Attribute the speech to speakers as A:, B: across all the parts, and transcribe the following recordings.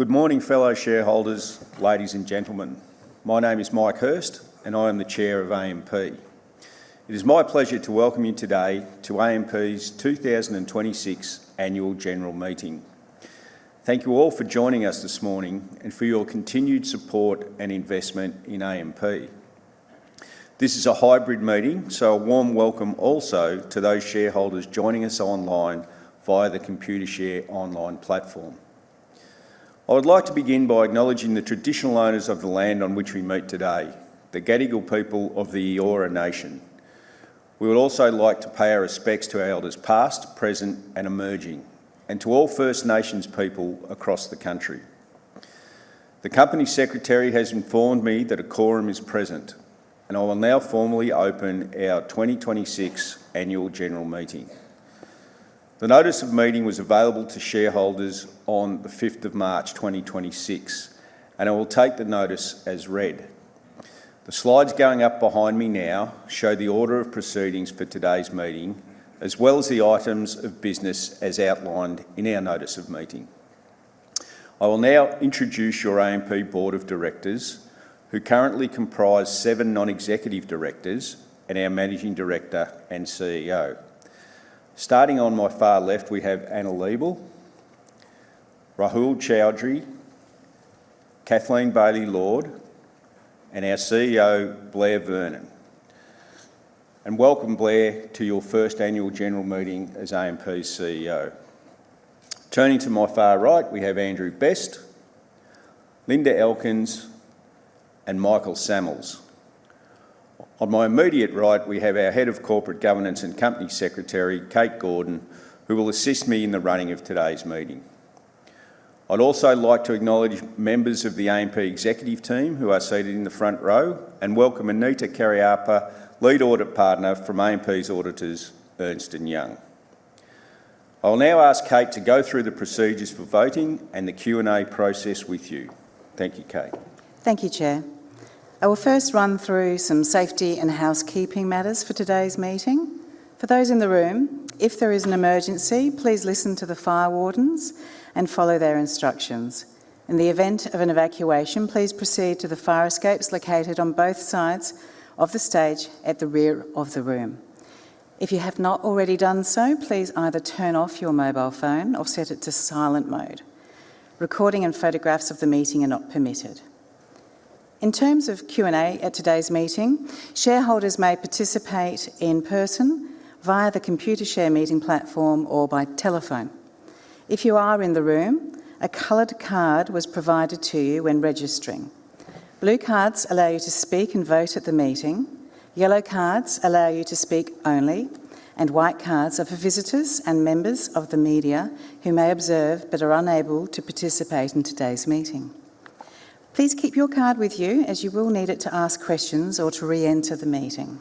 A: Good morning, fellow shareholders, ladies and gentlemen. My name is Mike Hirst, and I am the Chair of AMP. It is my pleasure to welcome you today to AMP's 2026 Annual General Meeting. Thank you all for joining us this morning and for your continued support and investment in AMP. This is a hybrid meeting, so a warm welcome also to those shareholders joining us online via the Computershare online platform. I would like to begin by acknowledging the traditional owners of the land on which we meet today, the Gadigal people of the Eora Nation. We would also like to pay our respects to elders past, present, and emerging, and to all First Nations people across the country. The Company Secretary has informed me that a quorum is present, and I will now formally open our 2026 Annual General Meeting. The notice of meeting was available to shareholders on the 5th of March 2026, and I will take the notice as read. The slides going up behind me now show the order of proceedings for today's meeting, as well as the items of business as outlined in our notice of meeting. I will now introduce your AMP Board of Directors, who currently comprise seven non-executive directors and our Managing Director and CEO. Starting on my far left, we have Anna Leibel, Rahoul Chowdry, Kathleen Bailey-Lord, and our CEO, Blair Vernon. Welcome, Blair, to your first Annual General Meeting as AMP's CEO. Turning to my far right, we have Andrew Best, Linda Elkins, and Michael Sammells. On my immediate right, we have our Head of Corporate Governance and Company Secretary, Kate Gordon, who will assist me in the running of today's meeting. I'd also like to acknowledge members of the AMP Executive Team who are seated in the front row and welcome Anita Kariappa, Lead Audit Partner from AMP's auditors, Ernst & Young. I will now ask Kate to go through the procedures for voting and the Q&A process with you. Thank you, Kate.
B: Thank you, Chair. I will first run through some safety and housekeeping matters for today's meeting. For those in the room, if there is an emergency, please listen to the fire wardens and follow their instructions. In the event of an evacuation, please proceed to the fire escapes located on both sides of the stage at the rear of the room. If you have not already done so, please either turn off your mobile phone or set it to silent mode. Recording and photographs of the meeting are not permitted. In terms of Q&A at today's meeting, shareholders may participate in person via the Computershare meeting platform or by telephone. If you are in the room, a colored card was provided to you when registering. Blue cards allow you to speak and vote at the meeting, yellow cards allow you to speak only, and white cards are for visitors and members of the media who may observe but are unable to participate in today's meeting. Please keep your card with you, as you will need it to ask questions or to reenter the meeting.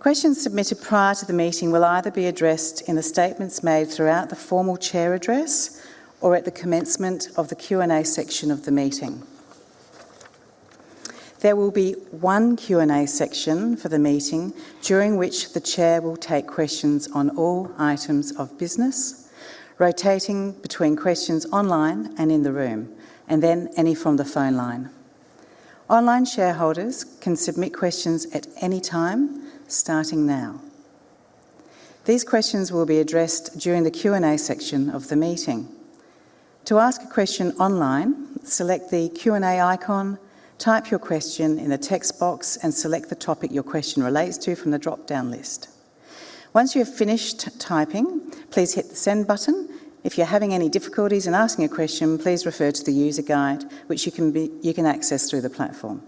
B: Questions submitted prior to the meeting will either be addressed in the statements made throughout the formal Chair address or at the commencement of the Q&A section of the meeting. There will be one Q&A section for the meeting, during which the Chair will take questions on all items of business, rotating between questions online and in the room, and then any from the phone line. Online shareholders can submit questions at any time, starting now. These questions will be addressed during the Q&A section of the meeting. To ask a question online, select the Q&A icon, type your question in the text box, and select the topic your question relates to from the dropdown list. Once you have finished typing, please hit the send button. If you're having any difficulties in asking a question, please refer to the user guide, which you can access through the platform.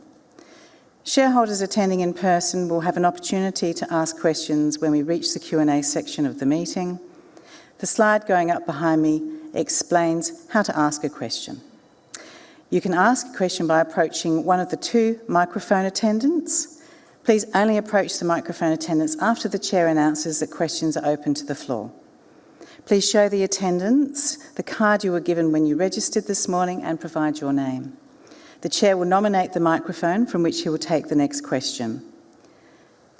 B: Shareholders attending in person will have an opportunity to ask questions when we reach the Q&A section of the meeting. The slide going up behind me explains how to ask a question. You can ask a question by approaching one of the two microphone attendants. Please only approach the microphone attendants after the Chair announces that questions are open to the floor. Please show the attendants the card you were given when you registered this morning and provide your name. The Chair will nominate the microphone from which he will take the next question.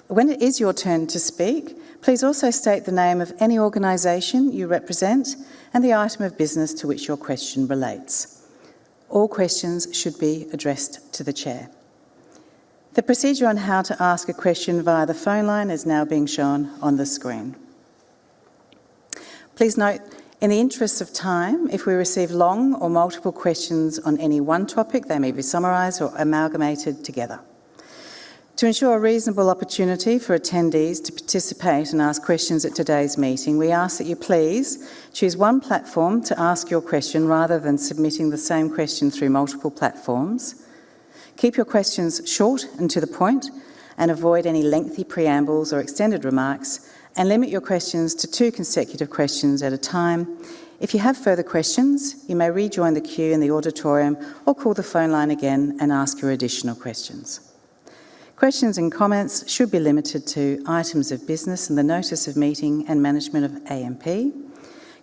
B: When it is your turn to speak, please also state the name of any organization you represent and the item of business to which your question relates. All questions should be addressed to the Chair. The procedure on how to ask a question via the phone line is now being shown on the screen. Please note, in the interest of time, if we receive long or multiple questions on any one topic, they may be summarized or amalgamated together. To ensure a reasonable opportunity for attendees to participate and ask questions at today's meeting, we ask that you please choose one platform to ask your question rather than submitting the same question through multiple platforms. Keep your questions short and to the point, and avoid any lengthy preambles or extended remarks, and limit your questions to two consecutive questions at a time. If you have further questions, you may rejoin the queue in the auditorium or call the phone line again and ask your additional questions. Questions and comments should be limited to items of business in the notice of meeting and management of AMP.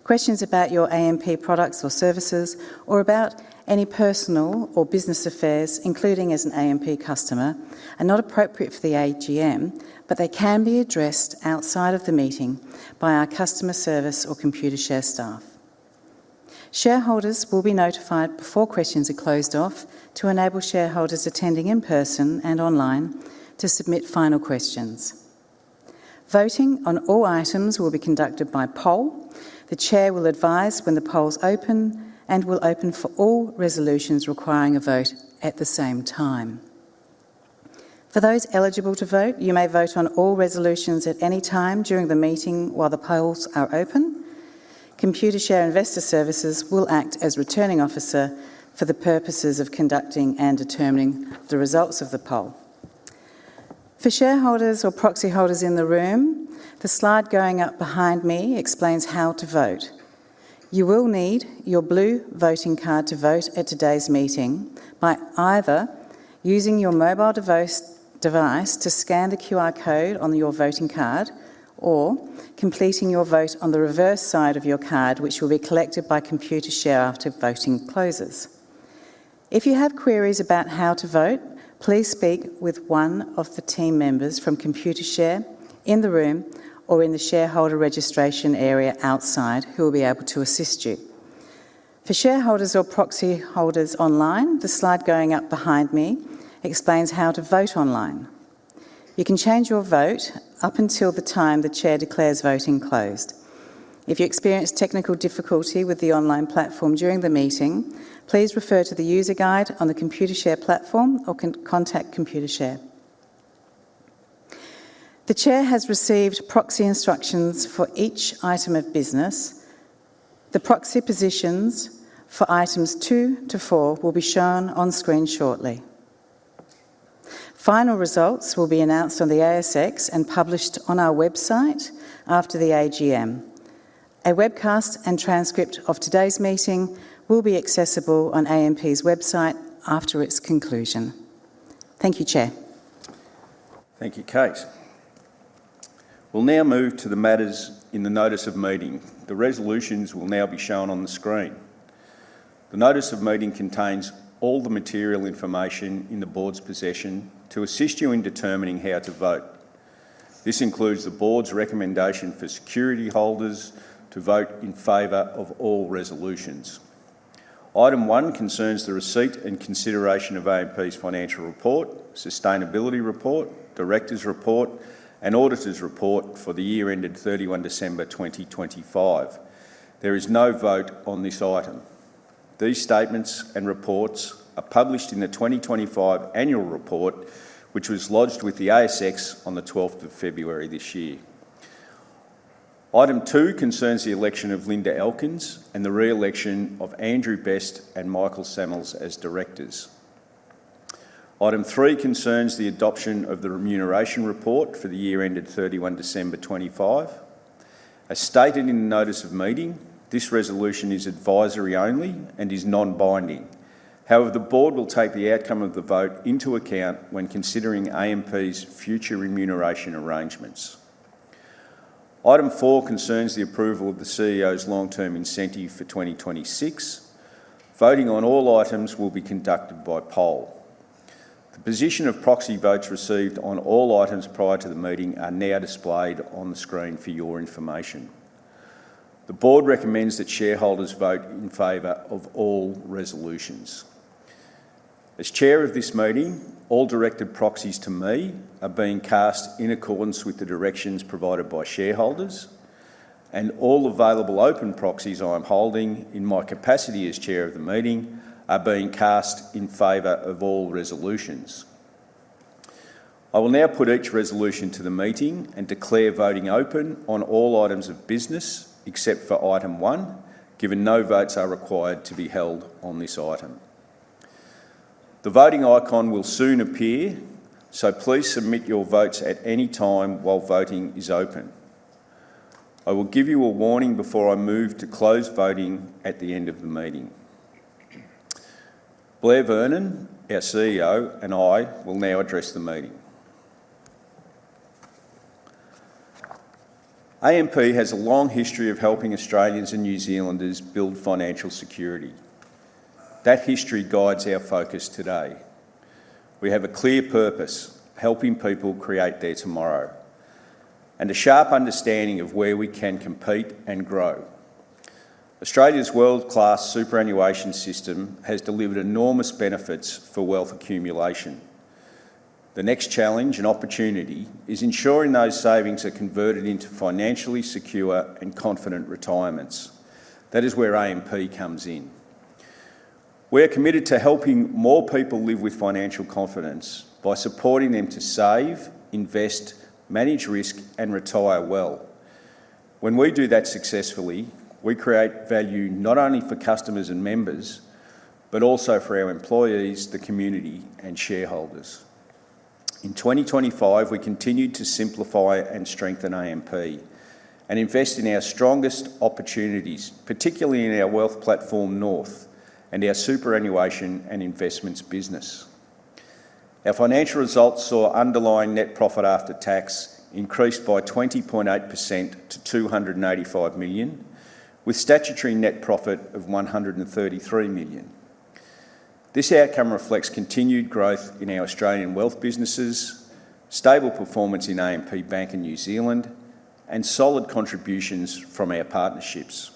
B: Questions about your AMP products or services or about any personal or business affairs, including as an AMP customer, are not appropriate for the AGM. They can be addressed outside of the meeting by our customer service or Computershare staff. Shareholders will be notified before questions are closed off to enable shareholders attending in person and online to submit final questions. Voting on all items will be conducted by poll. The Chair will advise when the polls open and will open for all resolutions requiring a vote at the same time. For those eligible to vote, you may vote on all resolutions at any time during the meeting while the polls are open. Computershare Investor Services will act as Returning Officer for the purposes of conducting and determining the results of the poll. For shareholders or proxy holders in the room, the slide going up behind me explains how to vote. You will need your blue voting card to vote at today's meeting by either using your mobile device to scan the QR code on your voting card or completing your vote on the reverse side of your card, which will be collected by Computershare after voting closes. If you have queries about how to vote, please speak with one of the team members from Computershare in the room or in the shareholder registration area outside, who will be able to assist you. For shareholders or proxy holders online, the slide going up behind me explains how to vote online. You can change your vote up until the time the Chair declares voting closed. If you experience technical difficulty with the online platform during the meeting, please refer to the user guide on the Computershare platform or contact Computershare. The Chair has received proxy instructions for each item of business. The proxy positions for items 2-4 will be shown on screen shortly. Final results will be announced on the ASX and published on our website after the AGM. A webcast and transcript of today's meeting will be accessible on AMP's website after its conclusion. Thank you, Chair.
A: Thank you, Kate. We'll now move to the matters in the Notice of Meeting. The resolutions will now be shown on the screen. The Notice of Meeting contains all the material information in the Board's possession to assist you in determining how to vote. This includes the Board's recommendation for security holders to vote in favor of all resolutions. Item one concerns the receipt and consideration of AMP's Financial Report, Sustainability Report, Directors' Report, and Auditors' Report for the year ended 31 December 2025. There is no vote on this item. These statements and reports are published in the 2025 Annual Report, which was lodged with the ASX on the 12th of February this year. Item two concerns the election of Linda Elkins and the re-election of Andrew Best and Michael Sammells as Directors. Item three concerns the adoption of the Remuneration Report for the year ended 31 December 2025. As stated in the Notice of Meeting, this resolution is advisory only and is non-binding. However, the Board will take the outcome of the vote into account when considering AMP's future remuneration arrangements. Item four concerns the approval of the CEO's Long-Term Incentive for 2026. Voting on all items will be conducted by poll. The position of proxy votes received on all items prior to the meeting are now displayed on the screen for your information. The Board recommends that shareholders vote in favor of all resolutions. As Chair of this meeting, all directed proxies to me are being cast in accordance with the directions provided by shareholders, and all available open proxies I'm holding in my capacity as Chair of the meeting are being cast in favor of all resolutions. I will now put each resolution to the meeting and declare voting open on all items of business, except for item one, given no votes are required to be held on this item. The voting icon will soon appear, so please submit your votes at any time while voting is open. I will give you a warning before I move to close voting at the end of the meeting. Blair Vernon, our CEO, and I will now address the meeting. AMP has a long history of helping Australians and New Zealanders build financial security. That history guides our focus today. We have a clear purpose, helping people create their tomorrow, and a sharp understanding of where we can compete and grow. Australia's world-class superannuation system has delivered enormous benefits for wealth accumulation. The next challenge and opportunity is ensuring those savings are converted into financially secure and confident retirements. That is where AMP comes in. We're committed to helping more people live with financial confidence by supporting them to save, invest, manage risk, and retire well. When we do that successfully, we create value not only for customers and members, but also for our employees, the community, and shareholders. In 2025, we continued to simplify and strengthen AMP and invest in our strongest opportunities, particularly in our wealth platform, North, and our superannuation and investments business. Our financial results saw underlying net profit after tax increased by 20.8% to 285 million, with statutory net profit of 133 million. This outcome reflects continued growth in our Australian wealth businesses, stable performance in AMP Bank in New Zealand, and solid contributions from our partnerships.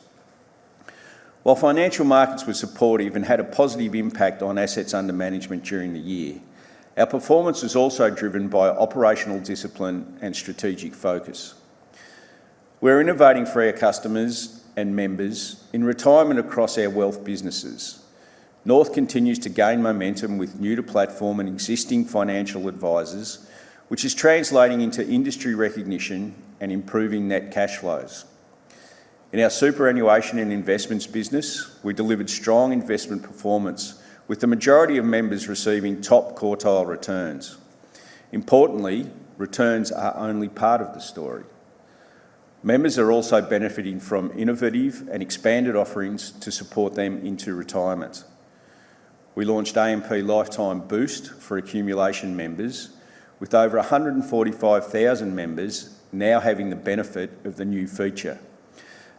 A: While financial markets were supportive and had a positive impact on assets under management during the year, our performance was also driven by operational discipline and strategic focus. We're innovating for our customers and members in retirement across our wealth businesses. North continues to gain momentum with new to platform and existing financial advisers, which is translating into industry recognition and improving net cash flows. In our Superannuation and Investments business, we delivered strong investment performance with the majority of members receiving top quartile returns. Importantly, returns are only part of the story. Members are also benefiting from innovative and expanded offerings to support them into retirement. We launched AMP Lifetime Boost for accumulation members with over 145,000 members now having the benefit of the new feature,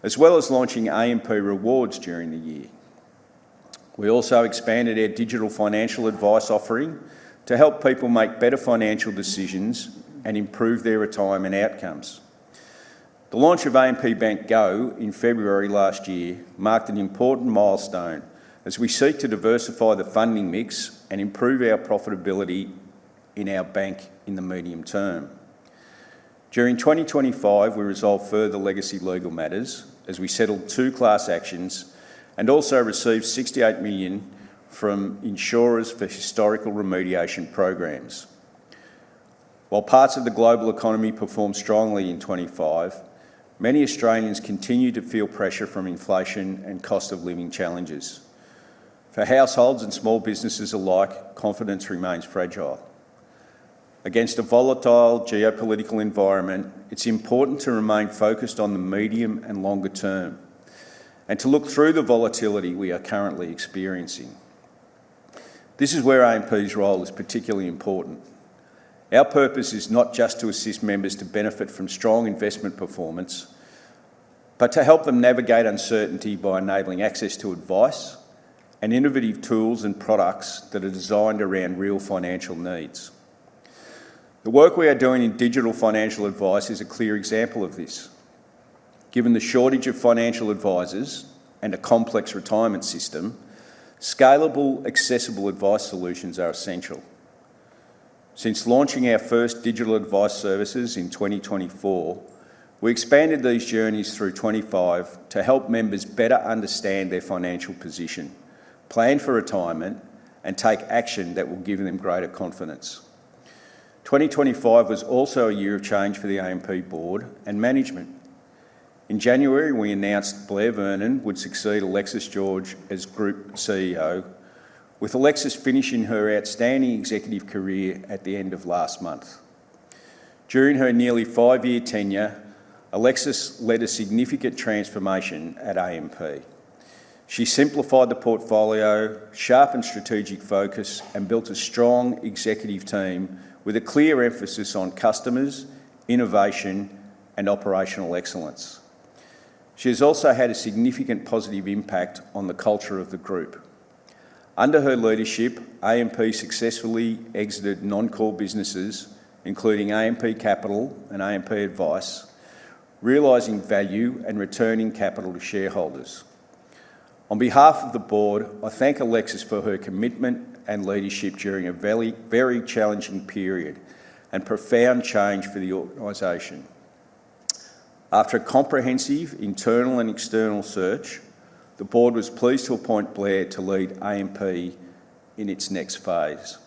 A: as well as launching AMP Rewards during the year. We also expanded our digital financial advice offering to help people make better financial decisions and improve their retirement outcomes. The launch of AMP Bank Go in February last year marked an important milestone as we seek to diversify the funding mix and improve our profitability in our bank in the medium term. During 2025, we resolved further legacy legal matters as we settled two class actions and also received 68 million from insurers for historical remediation programs. While parts of the global economy performed strongly in 2025, many Australians continued to feel pressure from inflation and cost of living challenges. For households and small businesses alike, confidence remains fragile. Against a volatile geopolitical environment, it's important to remain focused on the medium and longer term, and to look through the volatility we are currently experiencing. This is where AMP's role is particularly important. Our purpose is not just to assist members to benefit from strong investment performance, but to help them navigate uncertainty by enabling access to advice and innovative tools and products that are designed around real financial needs. The work we are doing in digital financial advice is a clear example of this. Given the shortage of financial advisors and a complex retirement system, scalable, accessible advice solutions are essential. Since launching our first digital advice services in 2024, we expanded these journeys through 2025 to help members better understand their financial position, plan for retirement, and take action that will give them greater confidence. 2025 was also a year of change for the AMP Board and Management. In January, we announced Blair Vernon would succeed Alexis George as Group CEO, with Alexis finishing her outstanding executive career at the end of last month. During her nearly five-year tenure, Alexis led a significant transformation at AMP. She simplified the portfolio, sharpened strategic focus, and built a strong executive team with a clear emphasis on customers, innovation, and operational excellence. She has also had a significant positive impact on the culture of the group. Under her leadership, AMP successfully exited non-core businesses, including AMP Capital and AMP Advice, realizing value and returning capital to shareholders. On behalf of the Board, I thank Alexis for her commitment and leadership during a very challenging period and profound change for the organization. After a comprehensive internal and external search, the Board was pleased to appoint Blair to lead AMP in its next phase.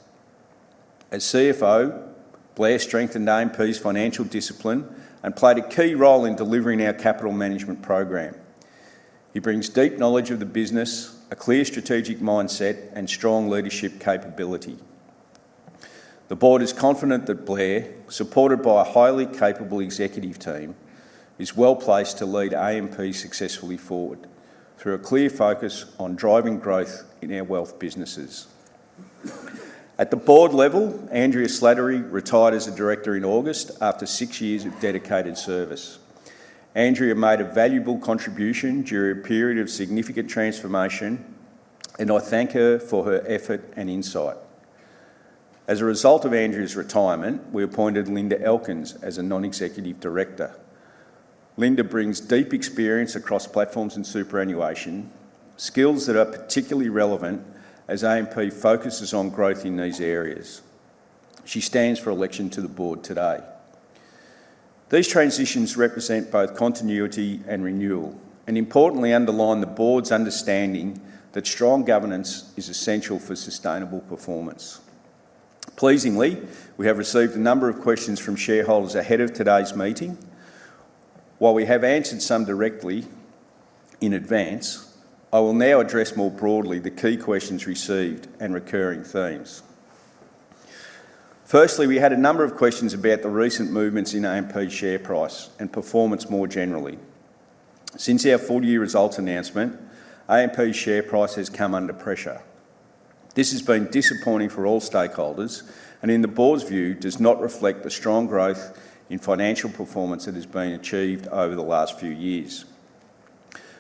A: As CFO, Blair strengthened AMP's financial discipline and played a key role in delivering our capital management program. He brings deep knowledge of the business, a clear strategic mindset, and strong leadership capability. The Board is confident that Blair, supported by a highly capable Executive Team, is well-placed to lead AMP successfully forward through a clear focus on driving growth in our wealth businesses. At the Board level, Andrea Slattery retired as a Director in August after six years of dedicated service. Andrea made a valuable contribution during a period of significant transformation, and I thank her for her effort and insight. As a result of Andrea's retirement, we appointed Linda Elkins as a Non-Executive Director. Linda brings deep experience across platforms and superannuation, skills that are particularly relevant as AMP focuses on growth in these areas. She stands for election to the Board today. These transitions represent both continuity and renewal, and importantly underline the Board's understanding that strong governance is essential for sustainable performance. Pleasingly, we have received a number of questions from shareholders ahead of today's meeting. While we have answered some directly in advance, I will now address more broadly the key questions received and recurring themes. Firstly, we had a number of questions about the recent movements in AMP's share price and performance more generally. Since our full year results announcement, AMP's share price has come under pressure. This has been disappointing for all stakeholders, and in the Board's view, does not reflect the strong growth in financial performance that has been achieved over the last few years.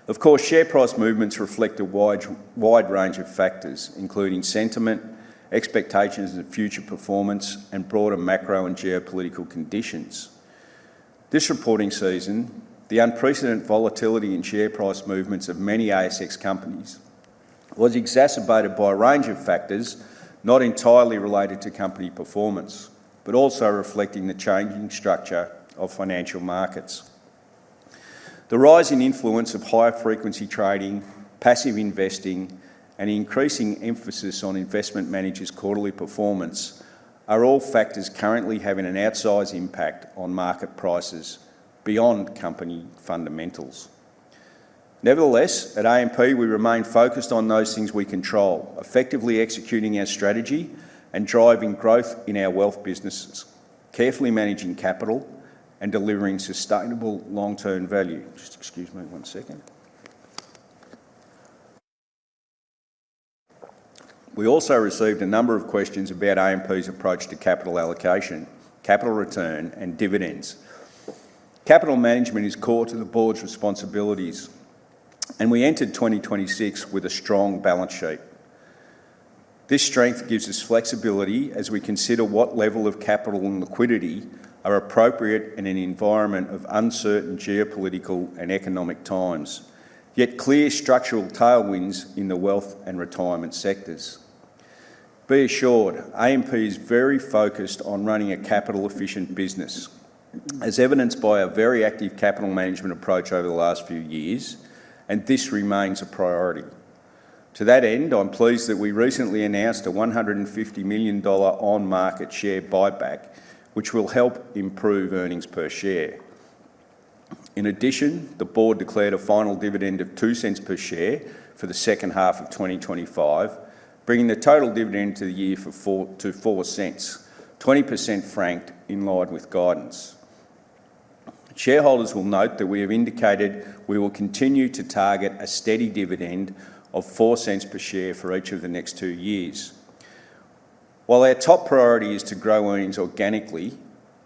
A: Of course, share price movements reflect a wide range of factors, including sentiment, expectations of future performance, and broader macro and geopolitical conditions. This reporting season, the unprecedented volatility in share price movements of many ASX companies was exacerbated by a range of factors not entirely related to company performance, but also reflecting the changing structure of financial markets. The rising influence of high-frequency trading, passive investing, and increasing emphasis on investment managers' quarterly performance are all factors currently having an outsize impact on market prices beyond company fundamentals. Nevertheless, at AMP, we remain focused on those things we control, effectively executing our strategy and driving growth in our wealth businesses, carefully managing capital, and delivering sustainable long-term value. Just excuse me one second. We also received a number of questions about AMP's approach to capital allocation, capital return, and dividends. Capital management is core to the Board's responsibilities, and we entered 2026 with a strong balance sheet. This strength gives us flexibility as we consider what level of capital and liquidity are appropriate in an environment of uncertain geopolitical and economic times, yet clear structural tailwinds in the wealth and retirement sectors. Be assured, AMP is very focused on running a capital-efficient business, as evidenced by a very active capital management approach over the last few years, and this remains a priority. To that end, I'm pleased that we recently announced an 150 million dollar on-market share buyback, which will help improve earnings per share. In addition, the Board declared a final dividend of 0.02 per share for the second half of 2025, bringing the total dividend to the year to 0.04, 20% franked in line with guidance. Shareholders will note that we have indicated we will continue to target a steady dividend of 0.04 per share for each of the next two years. While our top priority is to grow earnings organically,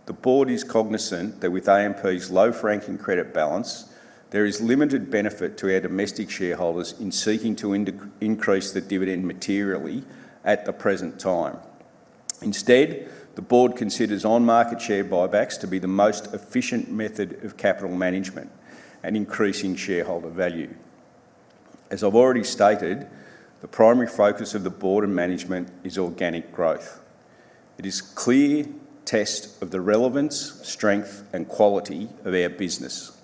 A: the Board is cognizant that with AMP's low franking credit balance, there is limited benefit to our domestic shareholders in seeking to increase the dividend materially at the present time. Instead, the Board considers on-market share buybacks to be the most efficient method of capital management and increasing shareholder value. As I've already stated, the primary focus of the Board and Management is organic growth. It is clear test of the relevance, strength, and quality of our business.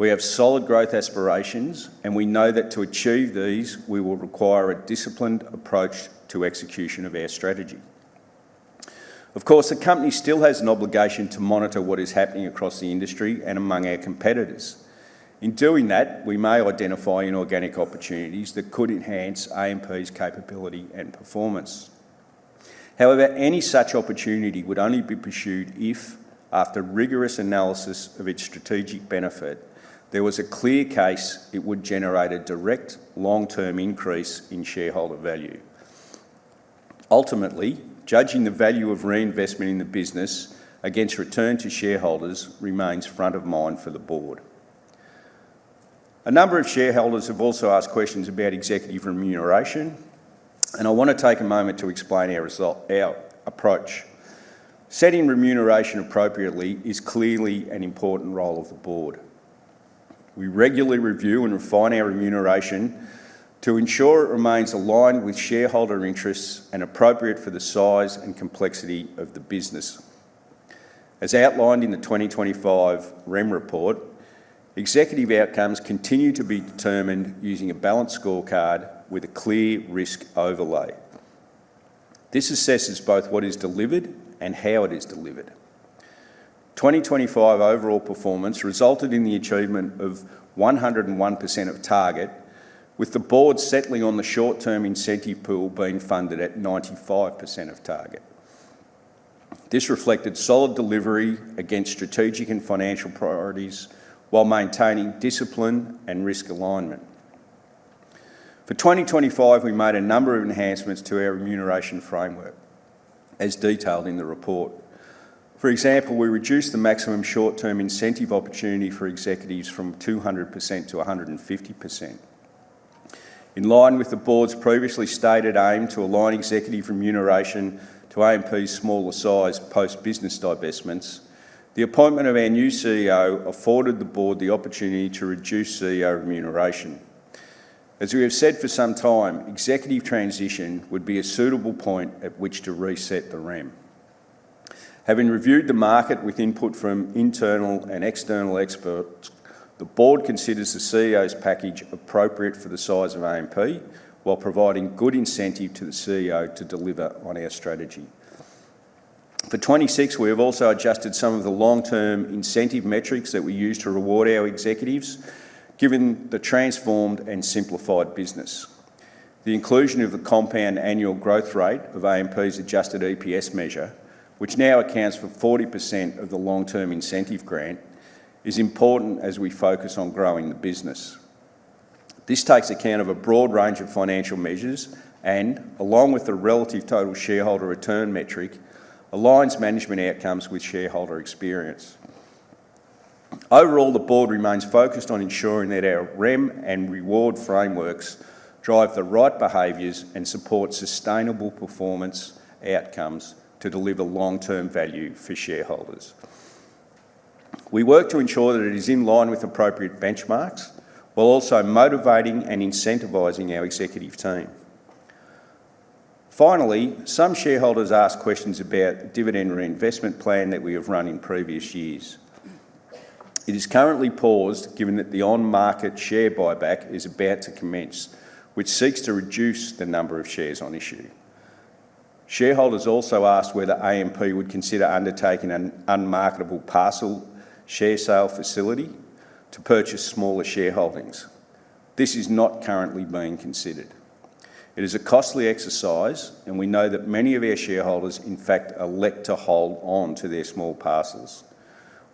A: We have solid growth aspirations, and we know that to achieve these, we will require a disciplined approach to execution of our strategy. Of course, the Company still has an obligation to monitor what is happening across the industry and among our competitors. In doing that, we may identify inorganic opportunities that could enhance AMP's capability and performance. However, any such opportunity would only be pursued if, after rigorous analysis of its strategic benefit, there was a clear case it would generate a direct long-term increase in shareholder value. Ultimately, judging the value of reinvestment in the business against return to shareholders remains front of mind for the Board. A number of shareholders have also asked questions about executive remuneration, and I want to take a moment to explain our approach. Setting remuneration appropriately is clearly an important role of the Board. We regularly review and refine our remuneration to ensure it remains aligned with shareholder interests and appropriate for the size and complexity of the business. As outlined in the 2025 REM Report, executive outcomes continue to be determined using a balanced scorecard with a clear risk overlay. This assesses both what is delivered and how it is delivered. 2025 overall performance resulted in the achievement of 101% of target, with the Board settling on the Short-Term Incentive pool being funded at 95% of target. This reflected solid delivery against strategic and financial priorities while maintaining discipline and risk alignment. For 2025, we made a number of enhancements to our Remuneration Framework, as detailed in the Report. For example, we reduced the maximum Short-Term Incentive opportunity for executives from 200%-150%. In line with the Board's previously stated aim to align executive remuneration to AMP's smaller size post business divestments, the appointment of our new CEO afforded the Board the opportunity to reduce CEO remuneration. As we have said for some time, executive transition would be a suitable point at which to reset the REM. Having reviewed the market with input from internal and external experts, the Board considers the CEO's package appropriate for the size of AMP while providing good incentive to the CEO to deliver on our strategy. For 2026, we have also adjusted some of the long-term incentive metrics that we use to reward our executives, given the transformed and simplified business. The inclusion of the compound annual growth rate of AMP's adjusted EPS measure, which now accounts for 40% of the long-term incentive grant, is important as we focus on growing the business. This takes account of a broad range of financial measures, and along with the relative total shareholder return metric, aligns management outcomes with shareholder experience. Overall, the Board remains focused on ensuring that our REM and reward frameworks drive the right behaviors and support sustainable performance outcomes to deliver long-term value for shareholders. We work to ensure that it is in line with appropriate benchmarks, while also motivating and incentivizing our Executive Team. Finally, some shareholders ask questions about dividend reinvestment plan that we have run in previous years. It is currently paused given that the on-market share buyback is about to commence, which seeks to reduce the number of shares on issue. Shareholders also asked whether AMP would consider undertaking an unmarketable parcel share sale facility to purchase smaller shareholdings. This is not currently being considered. It is a costly exercise, and we know that many of our shareholders in fact elect to hold on to their small parcels.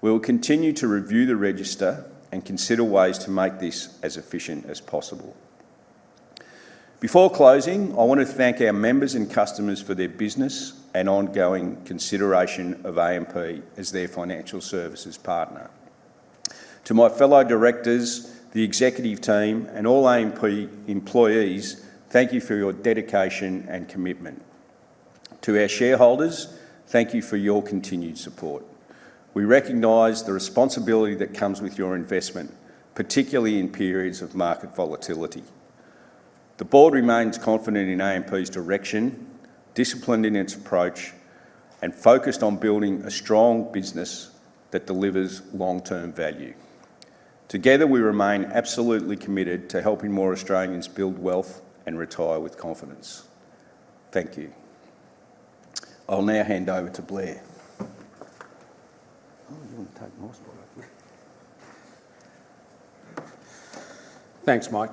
A: We will continue to review the register and consider ways to make this as efficient as possible. Before closing, I want to thank our members and customers for their business and ongoing consideration of AMP as their financial services partner. To my fellow Directors, the Executive Team, and all AMP employees, thank you for your dedication and commitment. To our shareholders, thank you for your continued support. We recognize the responsibility that comes with your investment, particularly in periods of market volatility. The Board remains confident in AMP's direction, disciplined in its approach, and focused on building a strong business that delivers long-term value. Together, we remain absolutely committed to helping more Australians build wealth and retire with confidence. Thank you. I'll now hand over to Blair. Oh, you want to take my spot up here?
C: Thanks, Mike.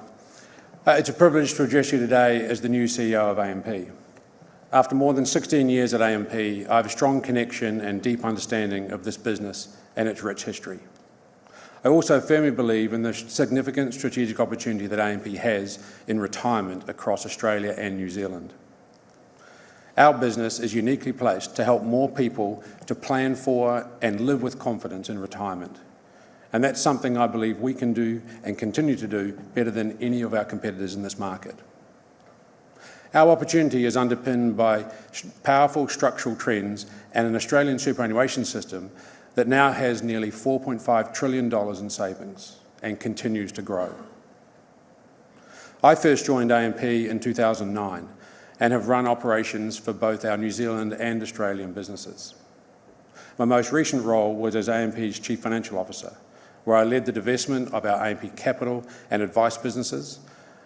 C: It's a privilege to address you today as the new CEO of AMP. After more than 16 years at AMP, I have a strong connection and deep understanding of this business and its rich history. I also firmly believe in the significant strategic opportunity that AMP has in retirement across Australia and New Zealand. Our business is uniquely placed to help more people to plan for and live with confidence in retirement, and that's something I believe we can do and continue to do better than any of our competitors in this market. Our opportunity is underpinned by powerful structural trends and an Australian superannuation system that now has nearly 4.5 trillion dollars in savings and continues to grow. I first joined AMP in 2009 and have run operations for both our New Zealand and Australian businesses. My most recent role was as AMP's Chief Financial Officer, where I led the divestment of our AMP Capital and Advice businesses,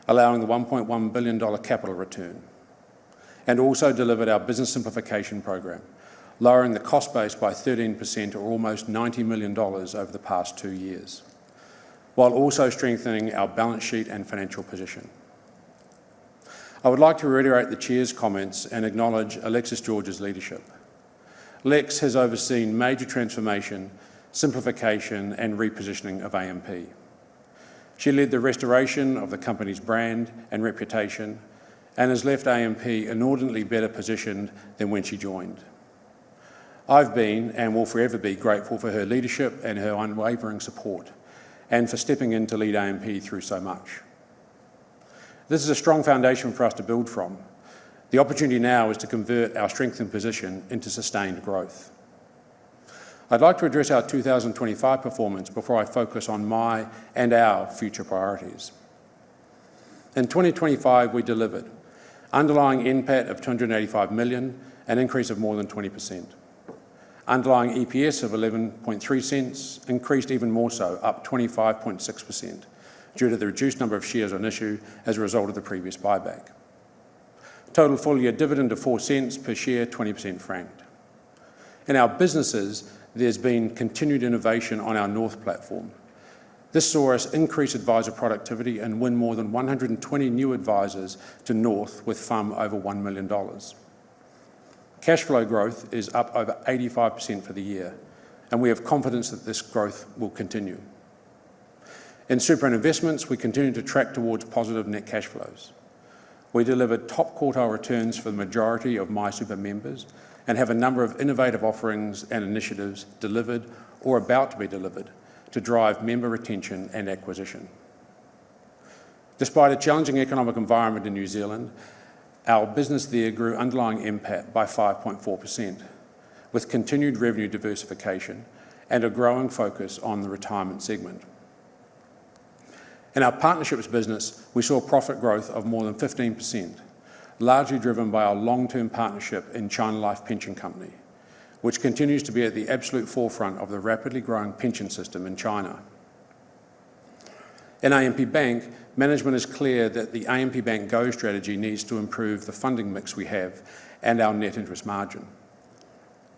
C: allowing the 1.1 billion dollar capital return, and also delivered our Business Simplification Program, lowering the cost base by 13% or almost 90 million dollars over the past two years, while also strengthening our balance sheet and financial position. I would like to reiterate the Chair's comments and acknowledge Alexis George's leadership. Lex has overseen major transformation, simplification, and repositioning of AMP. She led the restoration of the company's brand and reputation and has left AMP inordinately better positioned than when she joined. I've been and will forever be grateful for her leadership and her unwavering support, and for stepping in to lead AMP through so much. This is a strong foundation for us to build from. The opportunity now is to convert our strength and position into sustained growth. I'd like to address our 2025 performance before I focus on my and our future priorities. In 2025, we delivered underlying NPAT of 285 million, an increase of more than 20%. Underlying EPS of 0.113 increased even more so, up 25.6% due to the reduced number of shares on issue as a result of the previous buyback. Total full-year dividend of 0.04 per share, 20% franked. In our businesses, there's been continued innovation on our North platform. This saw us increase advisor productivity and win more than 120 new advisors to North with FUM over 1 million dollars. Cash flow growth is up over 85% for the year, and we have confidence that this growth will continue. In super investments, we continue to track towards positive net cash flows. We delivered top-quartile returns for the majority of MySuper members and have a number of innovative offerings and initiatives delivered or about to be delivered to drive member retention and acquisition. Despite a challenging economic environment in New Zealand, our business there grew underlying NPAT by 5.4%, with continued revenue diversification and a growing focus on the retirement segment. In our partnerships business, we saw profit growth of more than 15%, largely driven by our long-term partnership in China Life Pension Company, which continues to be at the absolute forefront of the rapidly growing pension system in China. In AMP Bank, management is clear that the AMP Bank GO strategy needs to improve the funding mix we have and our net interest margin.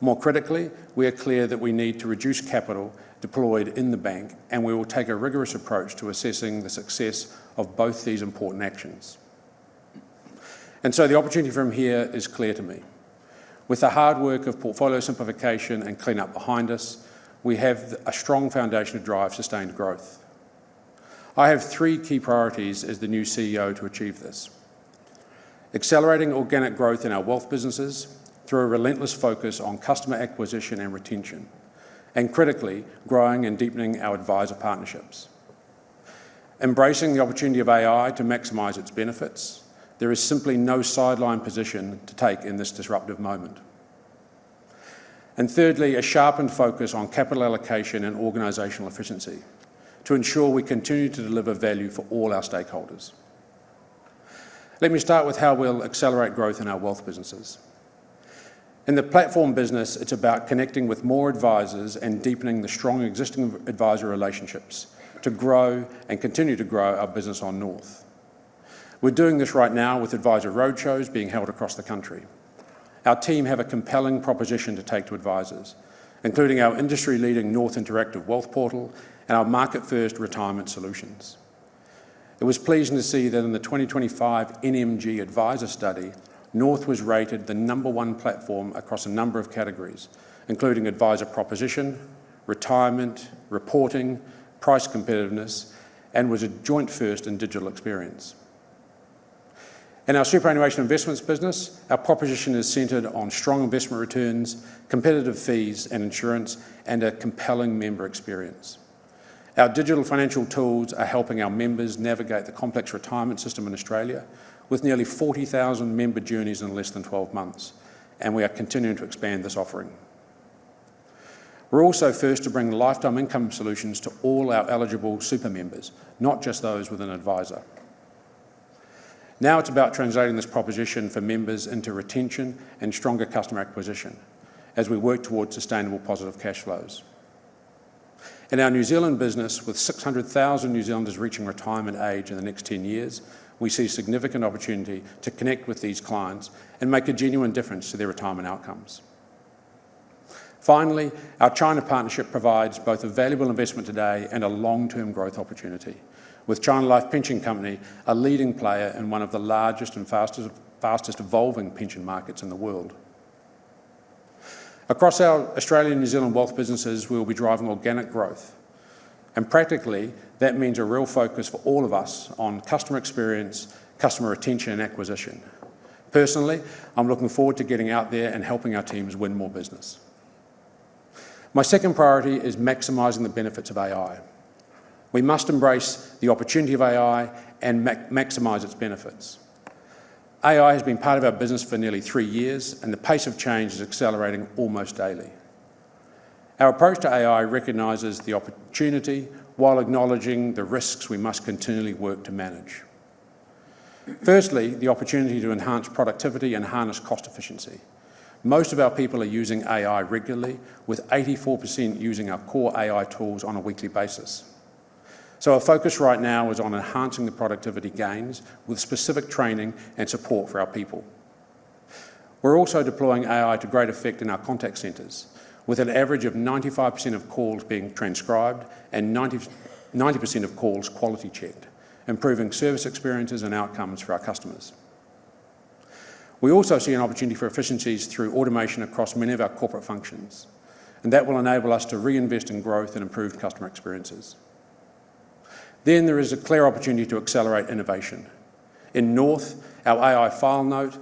C: More critically, we are clear that we need to reduce capital deployed in the Bank, and we will take a rigorous approach to assessing the success of both these important actions. The opportunity from here is clear to me. With the hard work of portfolio simplification and cleanup behind us, we have a strong foundation to drive sustained growth. I have three key priorities as the new CEO to achieve this, accelerating organic growth in our Wealth businesses through a relentless focus on customer acquisition and retention, and critically growing and deepening our adviser partnerships. Embracing the opportunity of AI to maximize its benefits, there is simply no sideline position to take in this disruptive moment. Thirdly, a sharpened focus on capital allocation and organizational efficiency to ensure we continue to deliver value for all our stakeholders. Let me start with how we'll accelerate growth in our wealth businesses. In the platform business, it's about connecting with more advisors and deepening the strong existing advisor relationships to grow and continue to grow our business on North. We're doing this right now with advisor roadshows being held across the country. Our team have a compelling proposition to take to advisors, including our industry-leading North Interactive Wealth Portal and our market-first retirement solutions. It was pleasing to see that in the 2025 NMG Advisor Study, North was rated the number one platform across a number of categories, including advisor proposition, retirement, reporting, price competitiveness, and was a joint first in digital experience. In our superannuation investments business, our proposition is centered on strong investment returns, competitive fees and insurance, and a compelling member experience. Our digital financial tools are helping our members navigate the complex retirement system in Australia with nearly 40,000 member journeys in less than 12 months, and we are continuing to expand this offering. We're also first to bring lifetime income solutions to all our eligible super members, not just those with an advisor. Now it's about translating this proposition for members into retention and stronger customer acquisition as we work towards sustainable positive cash flows. In our New Zealand business, with 600,000 New Zealanders reaching retirement age in the next 10 years, we see significant opportunity to connect with these clients and make a genuine difference to their retirement outcomes. Finally, our China partnership provides both a valuable investment today and a long-term growth opportunity with China Life Pension Company, a leading player in one of the largest and fastest evolving pension markets in the world. Across our Australian and New Zealand wealth businesses, we'll be driving organic growth, and practically, that means a real focus for all of us on customer experience, customer retention, and acquisition. Personally, I'm looking forward to getting out there and helping our teams win more business. My second priority is maximizing the benefits of AI. We must embrace the opportunity of AI and maximize its benefits. AI has been part of our business for nearly three years, and the pace of change is accelerating almost daily. Our approach to AI recognizes the opportunity while acknowledging the risks we must continually work to manage. Firstly, the opportunity to enhance productivity and harness cost efficiency. Most of our people are using AI regularly, with 84% using our core AI tools on a weekly basis. Our focus right now is on enhancing the productivity gains with specific training and support for our people. We're also deploying AI to great effect in our contact centers with an average of 95% of calls being transcribed and 90% of calls quality checked, improving service experiences and outcomes for our customers. We also see an opportunity for efficiencies through automation across many of our corporate functions, and that will enable us to reinvest in growth and improve customer experiences. There is a clear opportunity to accelerate innovation. In North, our AI file note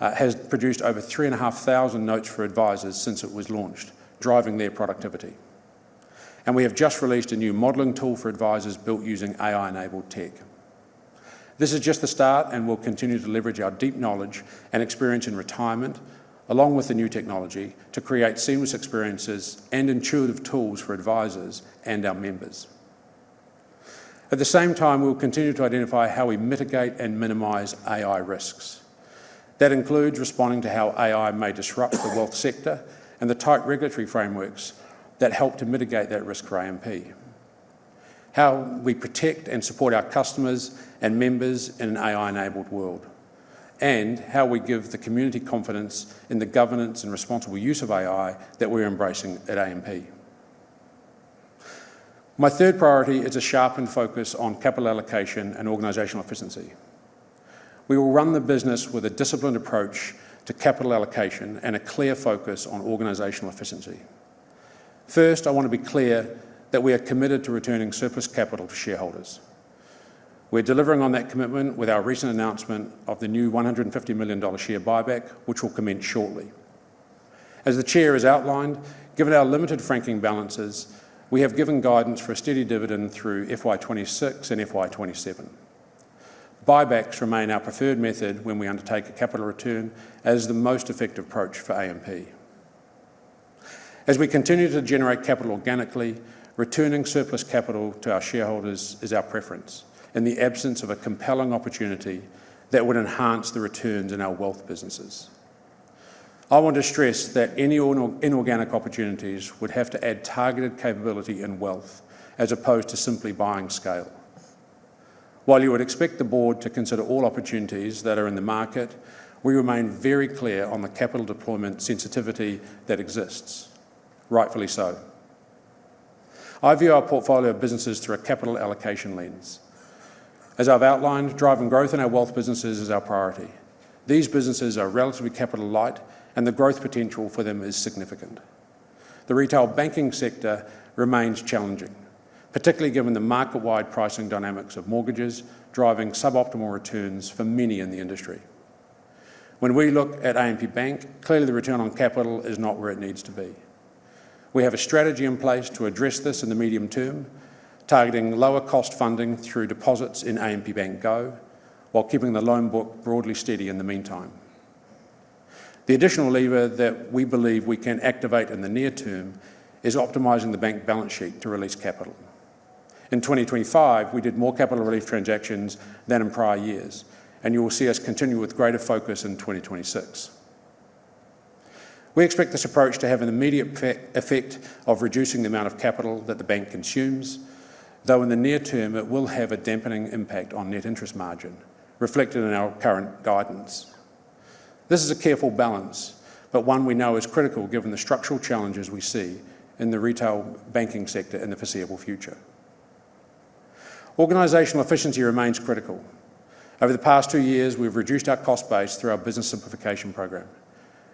C: has produced over 3,500 notes for advisers since it was launched, driving their productivity. We have just released a new modeling tool for advisers built using AI-enabled tech. This is just the start, and we'll continue to leverage our deep knowledge and experience in retirement, along with the new technology, to create seamless experiences and intuitive tools for advisers and our members. At the same time, we'll continue to identify how we mitigate and minimize AI risks. That includes responding to how AI may disrupt the wealth sector and the tight regulatory frameworks that help to mitigate that risk for AMP, how we protect and support our customers and members in an AI-enabled world, and how we give the community confidence in the governance and responsible use of AI that we're embracing at AMP. My third priority is a sharpened focus on capital allocation and organizational efficiency. We will run the business with a disciplined approach to capital allocation and a clear focus on organizational efficiency. First, I want to be clear that we are committed to returning surplus capital to shareholders. We're delivering on that commitment with our recent announcement of the new 150 million dollar share buyback, which will commence shortly. As the Chair has outlined, given our limited franking balances, we have given guidance for a steady dividend through FY 2026 and FY 2027. Buybacks remain our preferred method when we undertake a capital return as the most effective approach for AMP. As we continue to generate capital organically, returning surplus capital to our shareholders is our preference in the absence of a compelling opportunity that would enhance the returns in our wealth businesses. I want to stress that any inorganic opportunities would have to add targeted capability and wealth as opposed to simply buying scale. While you would expect the Board to consider all opportunities that are in the market, we remain very clear on the capital deployment sensitivity that exists, rightfully so. I view our portfolio of businesses through a capital allocation lens. As I've outlined, driving growth in our wealth businesses is our priority. These businesses are relatively capital light, and the growth potential for them is significant. The retail banking sector remains challenging, particularly given the market-wide pricing dynamics of mortgages driving sub-optimal returns for many in the industry. When we look at AMP Bank, clearly the return on capital is not where it needs to be. We have a strategy in place to address this in the medium term, targeting lower cost funding through deposits in AMP Bank GO, while keeping the loan book broadly steady in the meantime. The additional lever that we believe we can activate in the near term is optimizing the Bank balance sheet to release capital. In 2025, we did more capital release transactions than in prior years, and you will see us continue with greater focus in 2026. We expect this approach to have an immediate effect of reducing the amount of capital that the Bank consumes, though in the near term, it will have a dampening impact on Net Interest Margin, reflected in our current guidance. This is a careful balance, but one we know is critical given the structural challenges we see in the retail banking sector in the foreseeable future. Organizational efficiency remains critical. Over the past two years, we've reduced our cost base through our Business Simplification Program,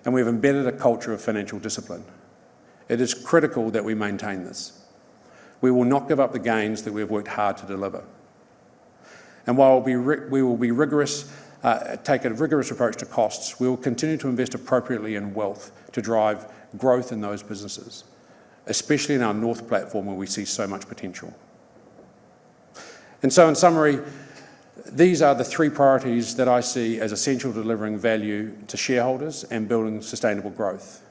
C: and we have embedded a culture of financial discipline. It is critical that we maintain this. We will not give up the gains that we have worked hard to deliver. While we will take a rigorous approach to costs, we will continue to invest appropriately in wealth to drive growth in those businesses, especially in our North platform, where we see so much potential. In summary, these are the three priorities that I see as essential to delivering value to shareholders and building sustainable growth,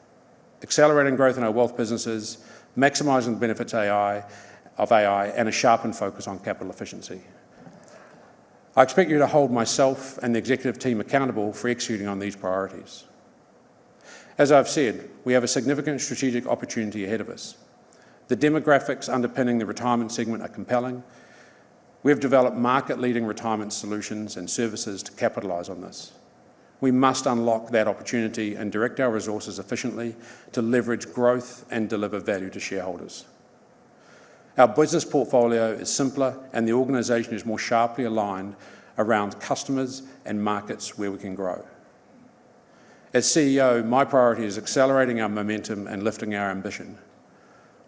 C: accelerating growth in our wealth businesses, maximizing the benefits of AI, and a sharpened focus on capital efficiency. I expect you to hold myself and the Executive Team accountable for executing on these priorities. As I've said, we have a significant strategic opportunity ahead of us. The demographics underpinning the retirement segment are compelling. We have developed market-leading retirement solutions and services to capitalize on this. We must unlock that opportunity and direct our resources efficiently to leverage growth and deliver value to shareholders. Our business portfolio is simpler, and the organization is more sharply aligned around customers and markets where we can grow. As CEO, my priority is accelerating our momentum and lifting our ambition.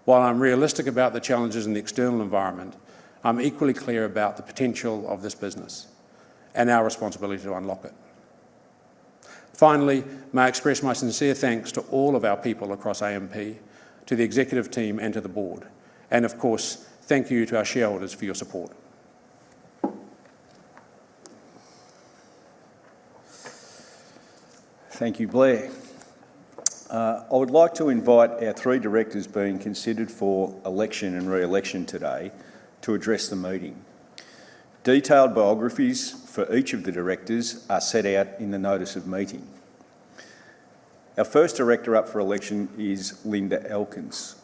C: While I'm realistic about the challenges in the external environment, I'm equally clear about the potential of this business and our responsibility to unlock it. Finally, may I express my sincere thanks to all of our people across AMP, to the executive team, and to the board. Of course, thank you to our shareholders for your support.
A: Thank you, Blair. I would like to invite our three directors being considered for election and re-election today to address the meeting. Detailed biographies for each of the directors are set out in the Notice of Meeting. Our first director up for election is Linda Elkins.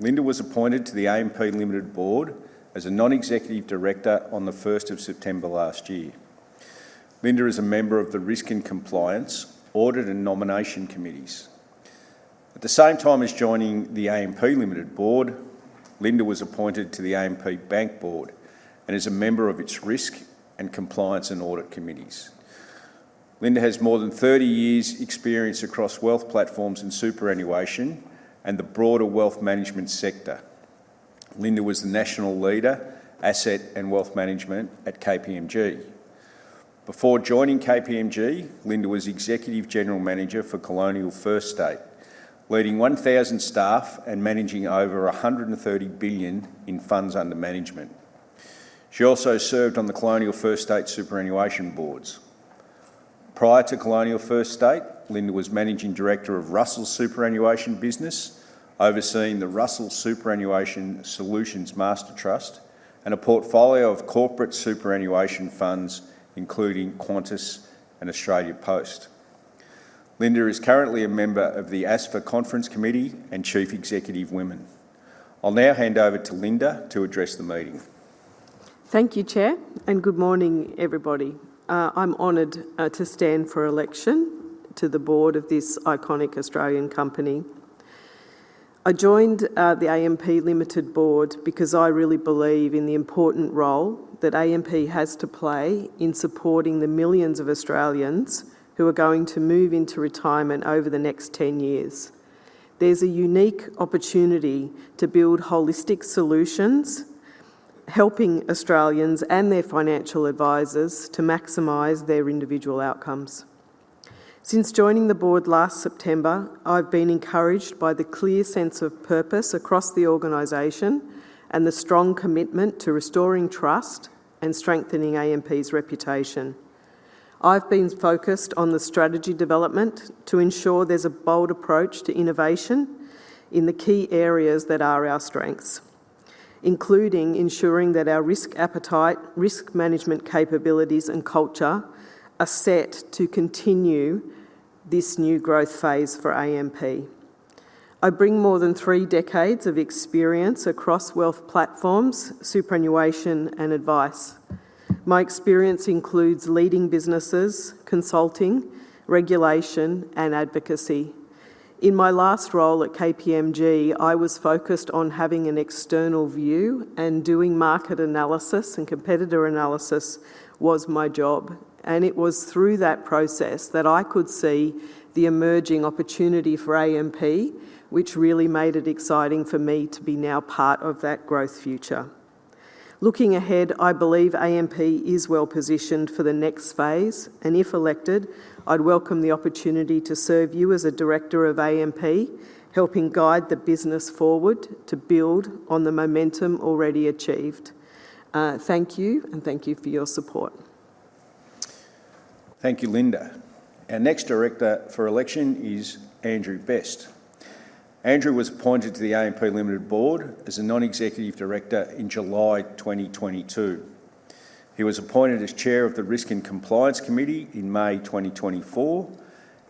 A: Linda was appointed to the AMP Limited Board as a Non-Executive Director on the 1st of September last year. Linda is a member of the Risk and Compliance, Audit, and Nomination Committees. At the same time as joining the AMP Limited Board, Linda was appointed to the AMP Bank Board and is a member of its Risk and Compliance and Audit Committees. Linda has more than 30 years' experience across wealth platforms and superannuation and the broader wealth management sector. Linda was the National Leader, Asset and Wealth Management at KPMG. Before joining KPMG, Linda was Executive General Manager for Colonial First State, leading 1,000 staff and managing over 130 billion in funds under management. She also served on the Colonial First State Superannuation Boards. Prior to Colonial First State, Linda was Managing Director of Russell Superannuation business, overseeing the Russell Superannuation Solutions Master Trust and a portfolio of corporate superannuation funds, including Qantas and Australia Post. Linda is currently a member of the ASFA Conference Committee and Chief Executive Women. I'll now hand over to Linda to address the meeting.
D: Thank you, Chair, and good morning, everybody. I'm honored to stand for election to the Board of this iconic Australian company. I joined the AMP Limited Board because I really believe in the important role that AMP has to play in supporting the millions of Australians who are going to move into retirement over the next 10 years. There's a unique opportunity to build holistic solutions, helping Australians and their financial advisors to maximize their individual outcomes. Since joining the Board last September, I've been encouraged by the clear sense of purpose across the organization and the strong commitment to restoring trust and strengthening AMP's reputation. I've been focused on the strategy development to ensure there's a bold approach to innovation in the key areas that are our strengths, including ensuring that our risk appetite, risk management capabilities, and culture are set to continue this new growth phase for AMP. I bring more than three decades of experience across wealth platforms, superannuation, and advice. My experience includes leading businesses, consulting, regulation, and advocacy. In my last role at KPMG, I was focused on having an external view and doing market analysis, and competitor analysis was my job. It was through that process that I could see the emerging opportunity for AMP, which really made it exciting for me to be now part of that growth future. Looking ahead, I believe AMP is well-positioned for the next phase, and if elected, I'd welcome the opportunity to serve you as a Director of AMP, helping guide the business forward to build on the momentum already achieved. Thank you, and thank you for your support.
A: Thank you, Linda. Our next director for election is Andrew Best. Andrew was appointed to the AMP Limited Board as a Non-Executive Director in July 2022. He was appointed as Chair of the Risk and Compliance Committee in May 2024,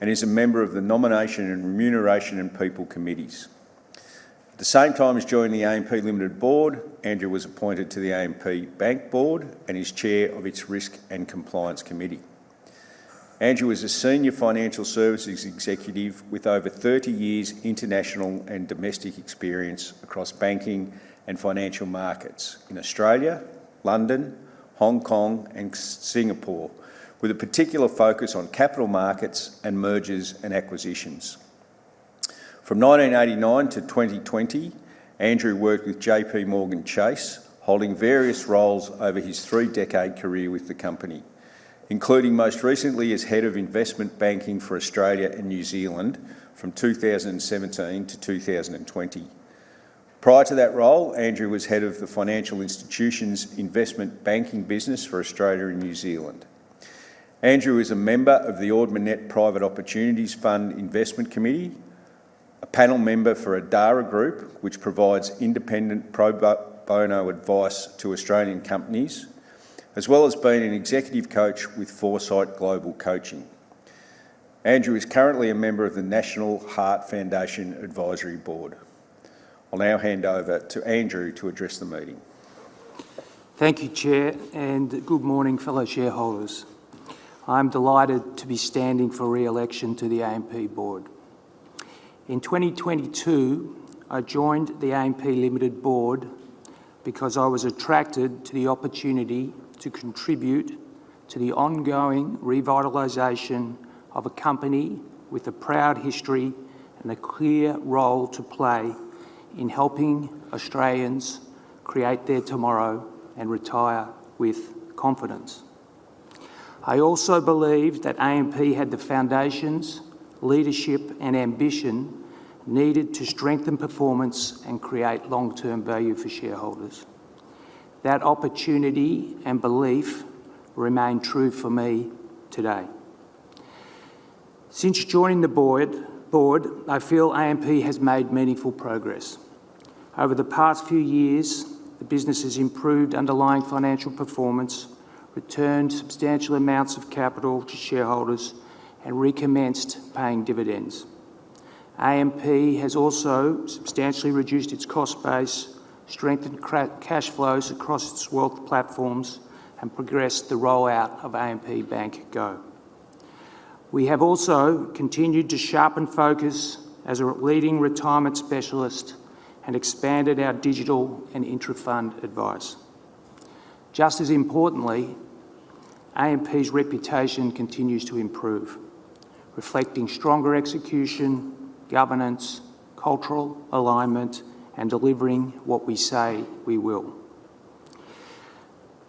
A: and is a member of the Nomination and Remuneration and People Committees. At the same time as joining the AMP Limited Board, Andrew was appointed to the AMP Bank Board, and is Chair of its Risk and Compliance Committee. Andrew is a senior financial services executive with over 30 years' international and domestic experience across banking and financial markets in Australia, London, Hong Kong, and Singapore, with a particular focus on capital markets and mergers and acquisitions. From 1989-2020, Andrew worked with JPMorgan Chase, holding various roles over his three-decade career with the company, including most recently as Head of Investment Banking for Australia and New Zealand from 2017-2020. Prior to that role, Andrew was Head of the Financial Institutions Investment Banking business for Australia and New Zealand. Andrew is a member of the Ord Minnett Private Opportunities Fund Investment Committee, a panel member for Adara Group, which provides independent pro bono advice to Australian companies, as well as being an Executive Coach with Foresight Global Coaching. Andrew is currently a member of the National Heart Foundation Advisory Board. I'll now hand over to Andrew to address the meeting.
E: Thank you, Chair, and good morning, fellow shareholders. I'm delighted to be standing for re-election to the AMP Board. In 2022, I joined the AMP Limited Board because I was attracted to the opportunity to contribute to the ongoing revitalization of a company with a proud history and a clear role to play in helping Australians create their tomorrow and retire with confidence. I also believed that AMP had the foundations, leadership, and ambition needed to strengthen performance and create long-term value for shareholders. That opportunity and belief remain true for me today. Since joining the Board, I feel AMP has made meaningful progress. Over the past few years, the business has improved underlying financial performance, returned substantial amounts of capital to shareholders, and recommenced paying dividends. AMP has also substantially reduced its cost base, strengthened cash flows across its wealth platforms, and progressed the rollout of AMP Bank GO. We have also continued to sharpen focus as a leading retirement specialist and expanded our digital and intra-fund advice. Just as importantly, AMP's reputation continues to improve, reflecting stronger execution, governance, cultural alignment, and delivering what we say we will.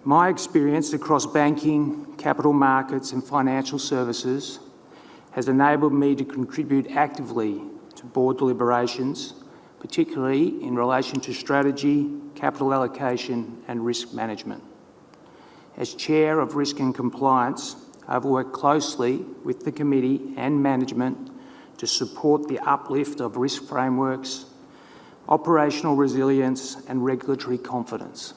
E: My experience across banking, capital markets, and financial services has enabled me to contribute actively to Board deliberations, particularly in relation to strategy, capital allocation, and risk management. As Chair of Risk and Compliance, I've worked closely with the committee and management to support the uplift of risk frameworks, operational resilience, and regulatory confidence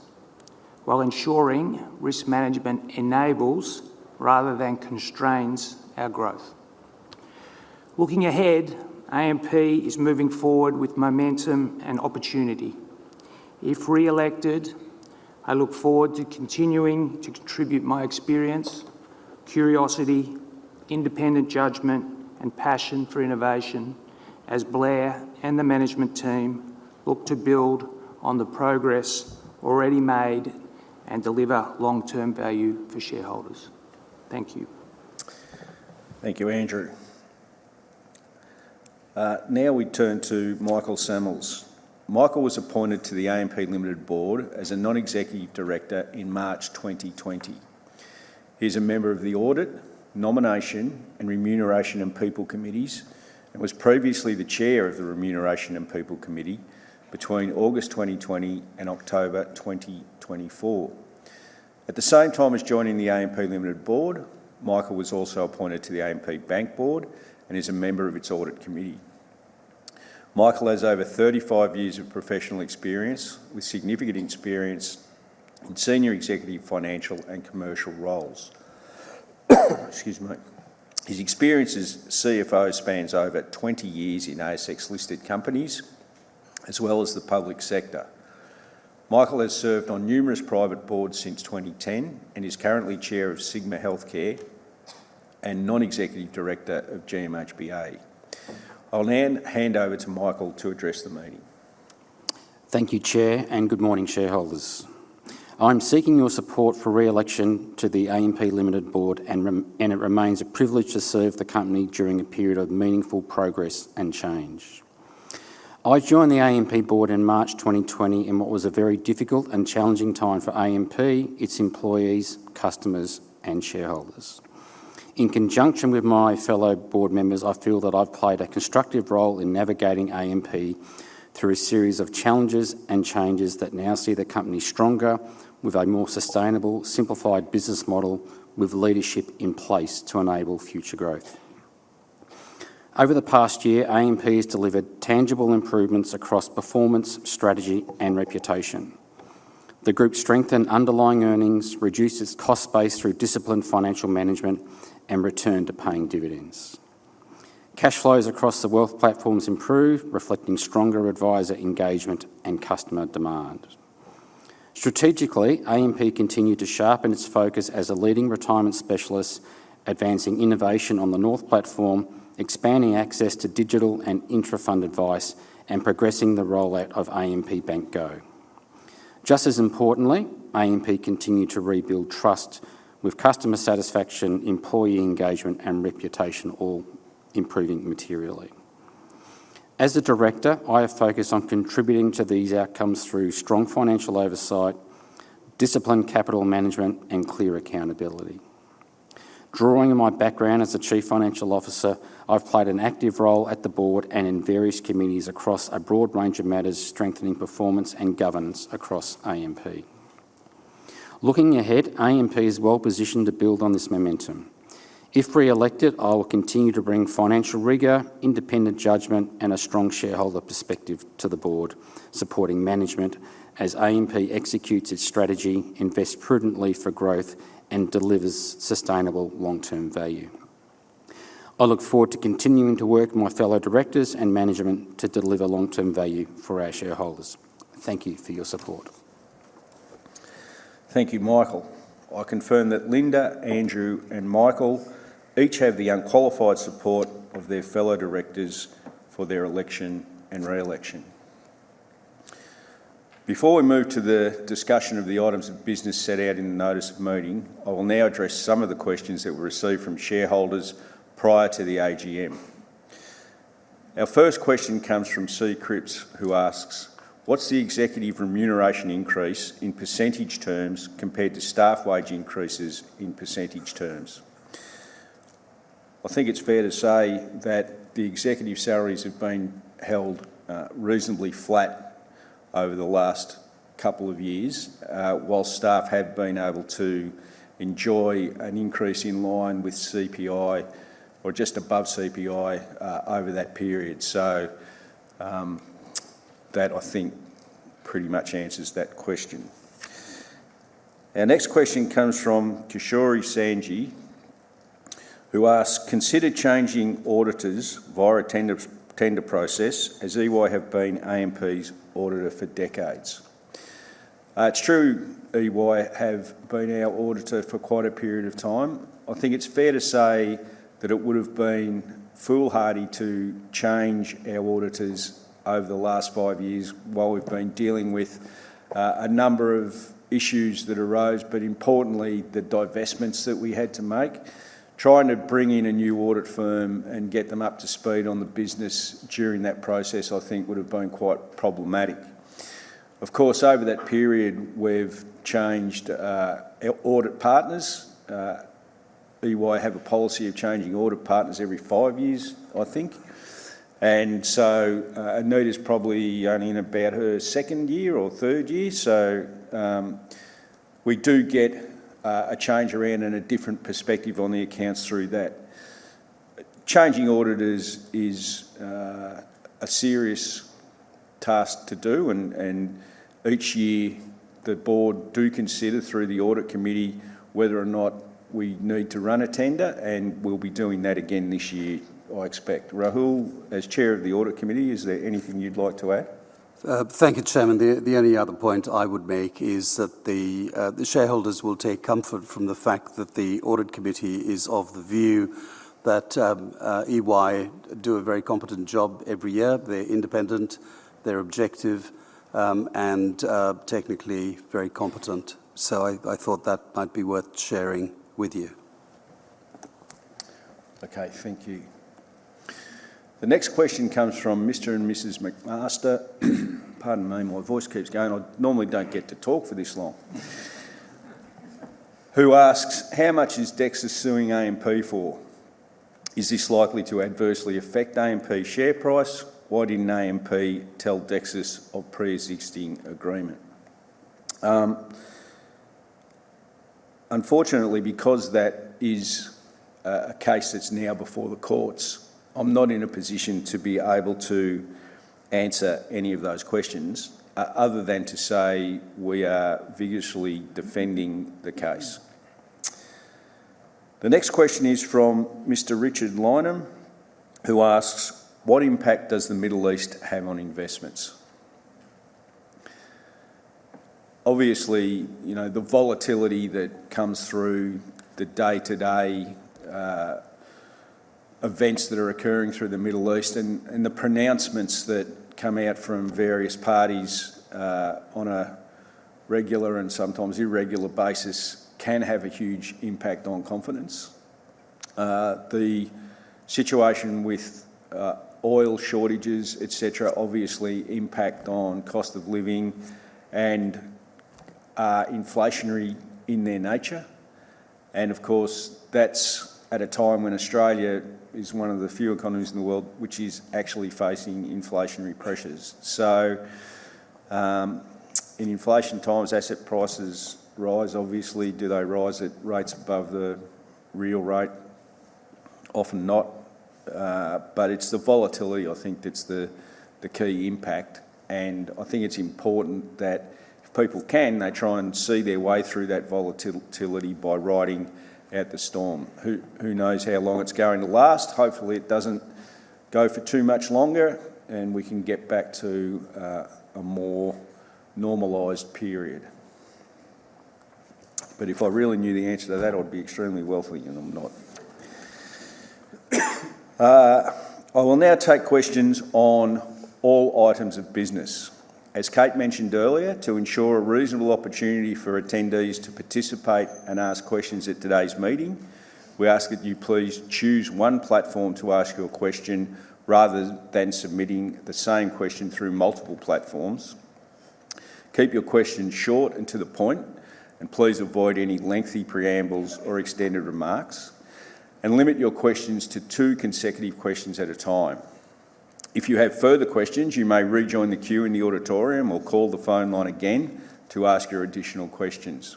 E: while ensuring risk management enables rather than constrains our growth. Looking ahead, AMP is moving forward with momentum and opportunity. If re-elected, I look forward to continuing to contribute my experience, curiosity, independent judgment, and passion for innovation as Blair and the Management Team look to build on the progress already made and deliver long-term value for shareholders. Thank you.
A: Thank you, Andrew. Now we turn to Michael Sammells. Michael was appointed to the AMP Limited Board as a Non-Executive Director in March 2020. He's a member of the Audit, Nomination, and Remuneration and People Committees and was previously the Chair of the Remuneration and People Committee between August 2020 and October 2024. At the same time as joining the AMP Limited Board, Michael was also appointed to the AMP Bank Board and is a member of its Audit Committee. Michael has over 35 years of professional experience, with significant experience in senior executive financial and commercial roles. Excuse me. His experience as CFO spans over 20 years in ASX-listed companies, as well as the public sector. Michael has served on numerous private boards since 2010 and is currently Chair of Sigma Healthcare and Non-Executive Director of GMHBA. I'll now hand over to Michael to address the meeting.
F: Thank you, Chair, and good morning, shareholders. I'm seeking your support for re-election to the AMP Limited Board, and it remains a privilege to serve the company during a period of meaningful progress and change. I joined the AMP Board in March 2020 in what was a very difficult and challenging time for AMP, its employees, customers, and shareholders. In conjunction with my fellow Board members, I feel that I've played a constructive role in navigating AMP through a series of challenges and changes that now see the company stronger, with a more sustainable, simplified business model, with leadership in place to enable future growth. Over the past year, AMP has delivered tangible improvements across performance, strategy, and reputation. The Group strengthened underlying earnings, reduced its cost base through disciplined financial management, and returned to paying dividends. Cash flows across the wealth platforms improved, reflecting stronger advisor engagement and customer demand. Strategically, AMP continued to sharpen its focus as a leading retirement specialist, advancing innovation on the North platform, expanding access to digital and intra-fund advice, and progressing the rollout of AMP Bank GO. Just as importantly, AMP continued to rebuild trust with customer satisfaction, employee engagement, and reputation all improving materially. As a Director, I have focused on contributing to these outcomes through strong financial oversight, disciplined capital management, and clear accountability. Drawing on my background as a Chief Financial Officer, I've played an active role at the Board and in various committees across a broad range of matters, strengthening performance and governance across AMP. Looking ahead, AMP is well positioned to build on this momentum. If re-elected, I will continue to bring financial rigor, independent judgment, and a strong shareholder perspective to the Board, supporting Management as AMP executes its strategy, invests prudently for growth, and delivers sustainable long-term value. I look forward to continuing to work with my fellow Directors and Management to deliver long-term value for our shareholders. Thank you for your support.
A: Thank you, Michael. I confirm that Linda, Andrew, and Michael each have the unqualified support of their fellow Directors for their election and re-election. Before we move to the discussion of the items of business set out in the Notice of Meeting, I will now address some of the questions that were received from shareholders prior to the AGM. Our first question comes from C. Cripps, who asks, "What's the Executive Remuneration increase in percentage terms compared to Staff wage increases in percentage terms?" I think it's fair to say that the Executive salaries have been held reasonably flat over the last couple of years, while Staff have been able to enjoy an increase in line with CPI or just above CPI over that period. That, I think, pretty much answers that question. Our next question comes from Kishori Sanji, who asks, "Consider changing auditors via a tender process, as EY have been AMP's auditor for decades." It's true EY have been our auditor for quite a period of time. I think it's fair to say that it would have been foolhardy to change our auditors over the last five years while we've been dealing with a number of issues that arose, but importantly, the divestments that we had to make. Trying to bring in a new audit firm and get them up to speed on the business during that process, I think, would have been quite problematic. Of course, over that period, we've changed audit partners. EY have a policy of changing audit partners every five years, I think. Anita's probably only in about her second year or third year. We do get a change around and a different perspective on the accounts through that. Changing auditors is a serious task to do, and each year, the Board do consider, through the Audit Committee, whether or not we need to run a tender, and we'll be doing that again this year, I expect. Rahoul, as Chair of the Audit Committee, is there anything you'd like to add?
G: Thank you, Chairman. The only other point I would make is that the shareholders will take comfort from the fact that the Audit Committee is of the view that EY do a very competent job every year. They're independent, they're objective, and technically very competent. I thought that might be worth sharing with you.
A: Thank you. The next question comes from Mr. and Mrs. McMaster. Pardon me, my voice keeps going. I normally don't get to talk for this long. Who asks, how much is Dexus suing AMP for? Is this likely to adversely affect AMP's share price? Why didn't AMP tell Dexus of preexisting agreement? Unfortunately, because that is a case that's now before the courts, I'm not in a position to be able to answer any of those questions other than to say we are vigorously defending the case. The next question is from Mr. Richard Lynam, who asks, what impact does the Middle East have on investments? Obviously, the volatility that comes through the day-to-day events that are occurring through the Middle East and the pronouncements that come out from various parties on a regular and sometimes irregular basis can have a huge impact on confidence. The situation with oil shortages, et cetera, obviously impact on cost of living and are inflationary in their nature. Of course, that's at a time when Australia is one of the few economies in the world which is actually facing inflationary pressures. In inflation times, asset prices rise, obviously. Do they rise at rates above the real rate? Often not. It's the volatility, I think, that's the key impact. I think it's important that if people can, they try and see their way through that volatility by riding out the storm. Who knows how long it's going to last? Hopefully, it doesn't go for too much longer, and we can get back to a more normalized period. If I really knew the answer to that, I'd be extremely wealthy, and I'm not. I will now take questions on all items of business. As Kate mentioned earlier, to ensure a reasonable opportunity for attendees to participate and ask questions at today's meeting, we ask that you please choose one platform to ask your question rather than submitting the same question through multiple platforms. Keep your questions short and to the point, and please avoid any lengthy preambles or extended remarks, and limit your questions to two consecutive questions at a time. If you have further questions, you may rejoin the queue in the auditorium or call the phone line again to ask your additional questions.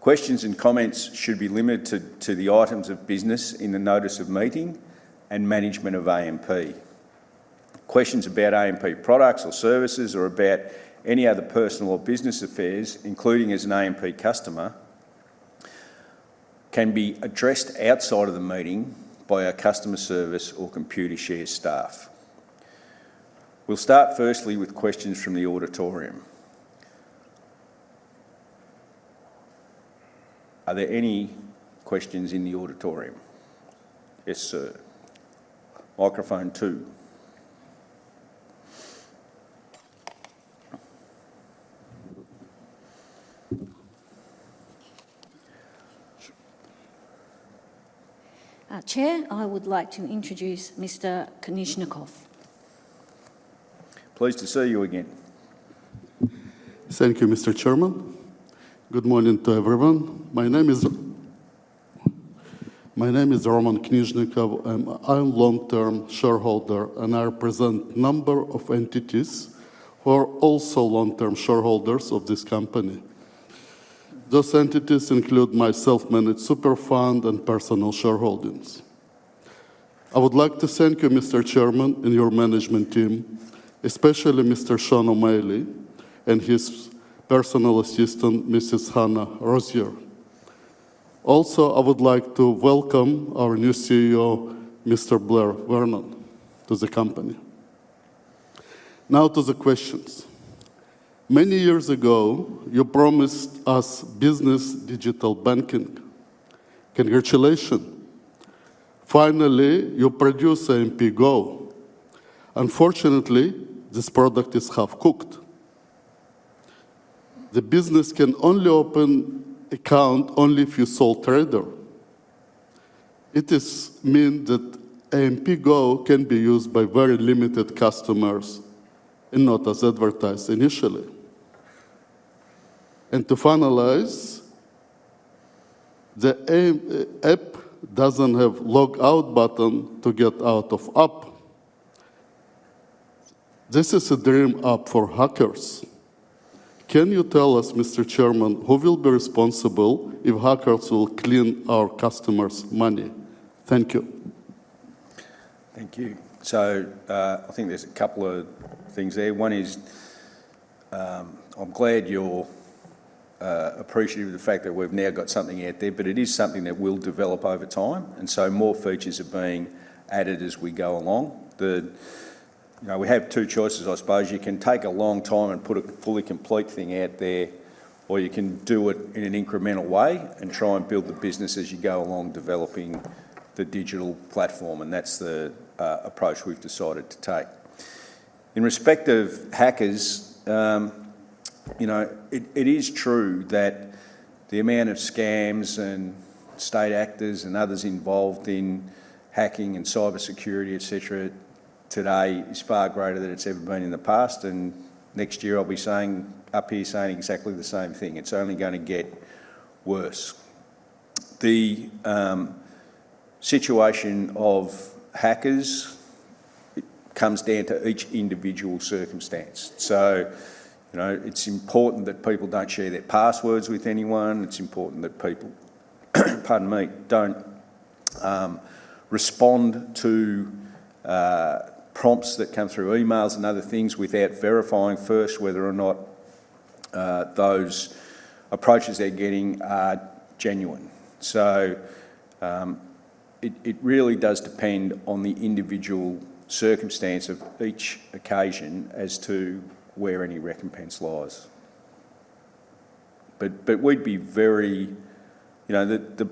A: Questions and comments should be limited to the items of business in the notice of meeting and management of AMP. Questions about AMP products or services or about any other personal or business affairs, including as an AMP customer, can be addressed outside of the meeting by our customer service or Computershare staff. We'll start firstly with questions from the auditorium. Are there any questions in the auditorium? Yes, sir. Microphone two.
B: Chair, I would like to introduce Mr. Knizhnikov.
A: Pleased to see you again.
H: Thank you, Mr. Chairman. Good morning to everyone. My name is Roman Knizhnikov, and I'm a long-term shareholder, and I represent a number of entities who are also long-term shareholders of this company. Those entities include my self-managed super fund and personal shareholdings. I would like to thank you, Mr. Chairman, and your management team, especially Mr. Sean O'Malley and his personal assistant, Mrs. Hannah Rosier. Also, I would like to welcome our new CEO, Mr. Blair Vernon, to the company. Now to the questions. Many years ago, you promised us business digital banking. Congratulations. Finally, you produce AMP Bank GO. Unfortunately, this product is half-cooked. The business can only open account only if you're sole trader. It is mean that AMP Bank GO can be used by very limited customers and not as advertised initially. To finalize, the app doesn't have log out button to get out of app. This is a dream app for hackers. Can you tell us, Mr. Chairman, who will be responsible if hackers will clean our customers' money? Thank you.
A: Thank you. I think there's a couple of things there. One is, I'm glad you're appreciative of the fact that we've now got something out there, but it is something that we'll develop over time, and so more features are being added as we go along. We have two choices, I suppose. You can take a long time and put a fully complete thing out there, or you can do it in an incremental way and try and build the business as you go along developing the digital platform, and that's the approach we've decided to take. In respect of hackers, it is true that the amount of scams and state actors and others involved in hacking and cybersecurity, et cetera, today is far greater than it's ever been in the past. Next year, I'll be up here saying exactly the same thing. It's only going to get worse. The situation of hackers comes down to each individual circumstance. It's important that people don't share their passwords with anyone. It's important that people, pardon me, don't respond to prompts that come through emails and other things without verifying first whether or not those approaches they're getting are genuine. It really does depend on the individual circumstance of each occasion as to where any recompense lies. The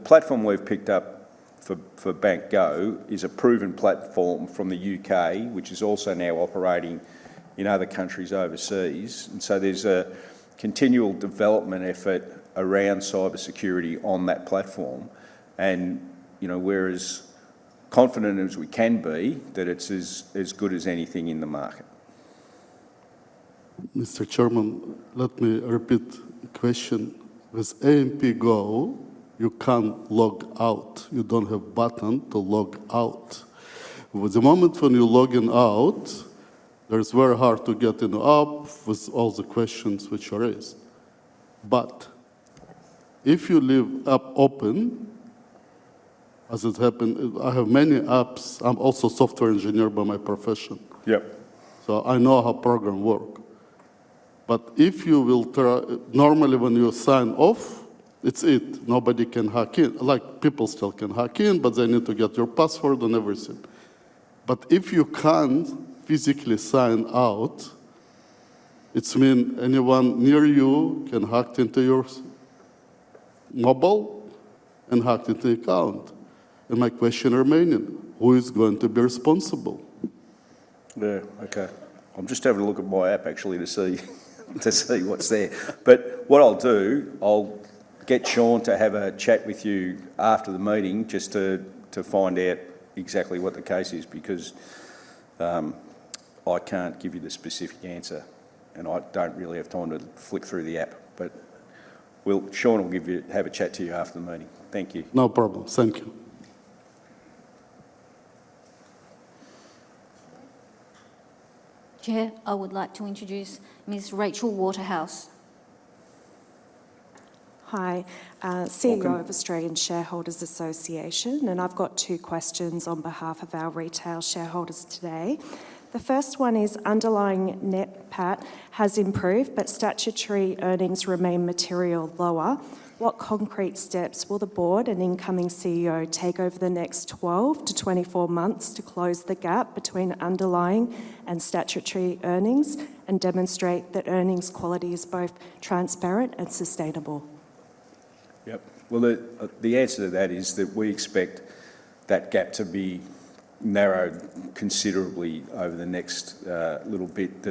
A: platform we've picked up for Bank GO is a proven platform from the U.K., which is also now operating in other countries overseas. There's a continual development effort around cybersecurity on that platform. We're as confident as we can be that it's as good as anything in the market.
H: Mr. Chairman, let me repeat question. With AMP Bank GO, you can't log out. You don't have button to log out. With the moment when you're logging out, it's very hard to get in the app with all the questions which arise. If you leave app open, as it happened, I have many apps. I'm also software engineer by my profession.
A: Yep.
H: I know how program work. If you will try, normally when you sign off, it's it, nobody can hack in. Like, people still can hack in, but they need to get your password and everything. If you can't physically sign out, it's mean anyone near you can hack into your mobile and hack into account. My question remaining, who is going to be responsible?
A: Yeah. Okay. I'm just having a look at my app actually to see what's there. What I'll do, I'll get Sean to have a chat with you after the meeting just to find out exactly what the case is because I can't give you the specific answer, and I don't really have time to flick through the app. Sean will have a chat to you after the meeting. Thank you.
H: No problem. Thank you.
B: Chair, I would like to introduce Ms. Rachel Waterhouse.
I: Hi.
A: Welcome.
I: CEO of Australian Shareholders' Association, and I've got two questions on behalf of our retail shareholders today. The first one is, underlying NPAT has improved, but statutory earnings remain materially lower. What concrete steps will the Board and incoming CEO take over the next 12 months-24 months to close the gap between underlying and statutory earnings and demonstrate that earnings quality is both transparent and sustainable?
A: Yep. Well, the answer to that is that we expect that gap to be narrowed considerably over the next little bit.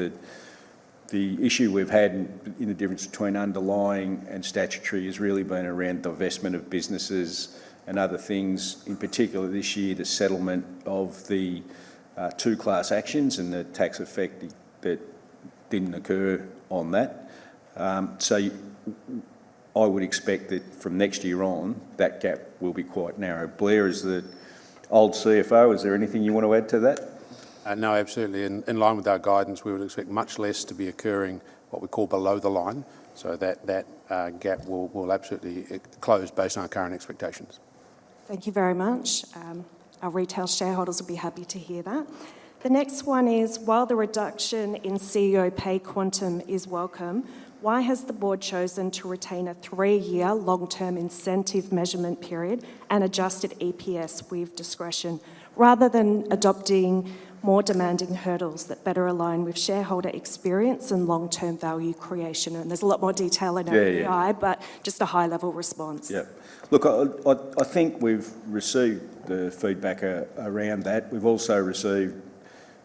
A: The issue we've had in the difference between underlying and statutory has really been around divestment of businesses and other things, in particular this year, the settlement of the two class actions and the tax effect that didn't occur on that. I would expect that from next year on, that gap will be quite narrow. Blair, as the old CFO, is there anything you want to add to that?
C: No, absolutely. In line with our guidance, we would expect much less to be occurring, what we call below the line, so that gap will absolutely close based on our current expectations.
I: Thank you very much. Our retail shareholders will be happy to hear that. The next one is, while the reduction in CEO pay quantum is welcome, why has the Board chosen to retain a three-year long-term incentive measurement period and adjusted EPS with discretion rather than adopting more demanding hurdles that better align with shareholder experience and long-term value creation? There's a lot more detail in our ERI.
A: Yeah, yeah.
I: Just a high-level response.
A: Yeah. Look, I think we've received the feedback around that. We've also received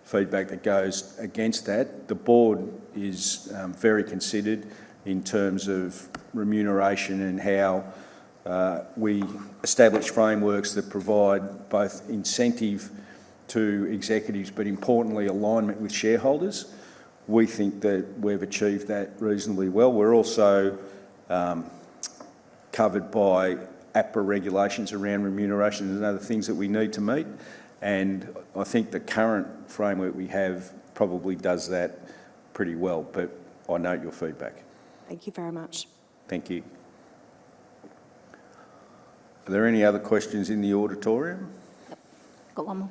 A: feedback that goes against that. The Board is very considered in terms of remuneration and how we establish frameworks that provide both incentive to executives, but importantly, alignment with shareholders. We think that we've achieved that reasonably well. We're also covered by APRA regulations around remuneration and other things that we need to meet. I think the current framework we have probably does that pretty well, but I note your feedback.
I: Thank you very much.
A: Thank you. Are there any other questions in the auditorium?
F: Got one more.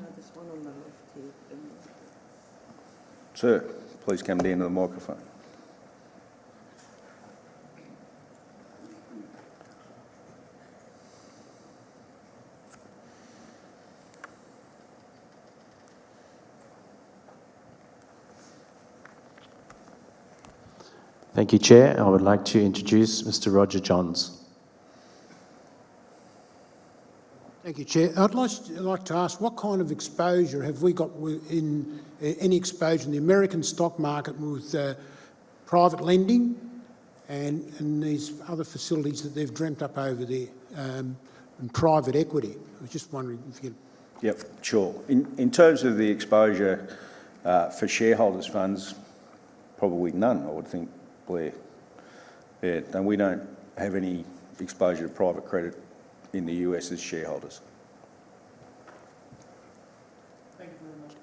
F: No, just one on the left here.
A: Sir, please come down to the microphone.
G: Thank you, Chair. I would like to introduce Mr. Roger Johns.
J: Thank you, Chair. I'd like to ask, what kind of exposure have we got, any exposure in the American stock market with private lending and these other facilities that they've dreamed up over there, and private equity?
A: Yep, sure. In terms of the exposure for shareholders' funds, probably none, I would think. Blair? Yeah. We don't have any exposure to private credit in the U.S. as shareholders.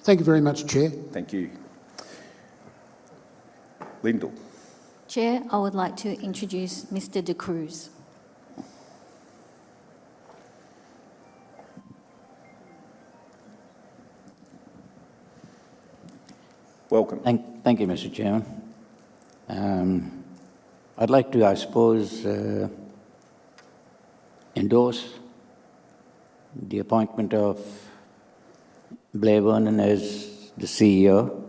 J: Thank you very much, Chair.
A: Thank you, Linda.
D: Chair, I would like to introduce Mr. D'Cruz.
A: Welcome.
K: Thank you, Mr. Chair. I'd like to, I suppose, endorse the appointment of Blair Vernon as the CEO.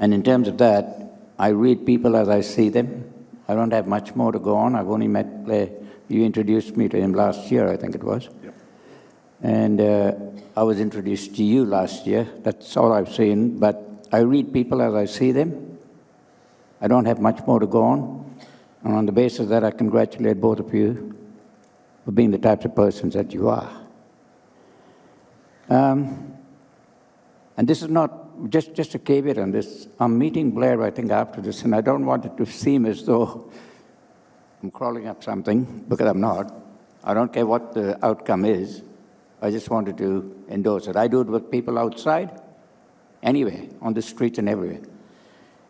K: In terms of that, I read people as I see them. I don't have much more to go on. I've only met Blair. You introduced me to him last year, I think it was.
A: Yep.
K: I was introduced to you last year. That's all I've seen. I read people as I see them. I don't have much more to go on. On the basis of that, I congratulate both of you for being the types of persons that you are. This is not, just a caveat on this. I'm meeting Blair, I think, after this, and I don't want it to seem as though I'm crawling up something, because I'm not. I don't care what the outcome is. I just wanted to endorse it. I do it with people outside, anywhere, on the street and everywhere.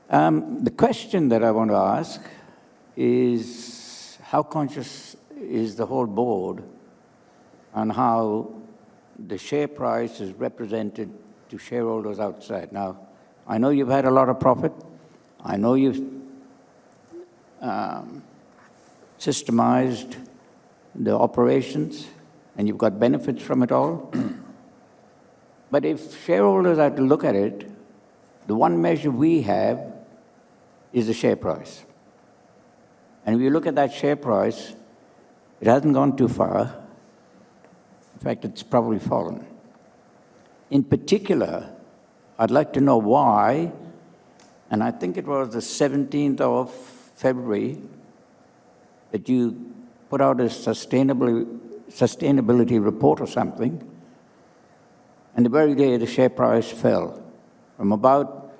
K: The question that I want to ask is how conscious is the whole Board on how the share price is represented to shareholders outside? Now, I know you've had a lot of profit. I know you've systemized the operations, and you've got benefits from it all. If shareholders are to look at it, the one measure we have is the share price. If you look at that share price, it hasn't gone too far. In fact, it's probably fallen. In particular, I'd like to know why, and I think it was the 17th of February, that you put out a sustainability report or something, and the very day, the share price fell from about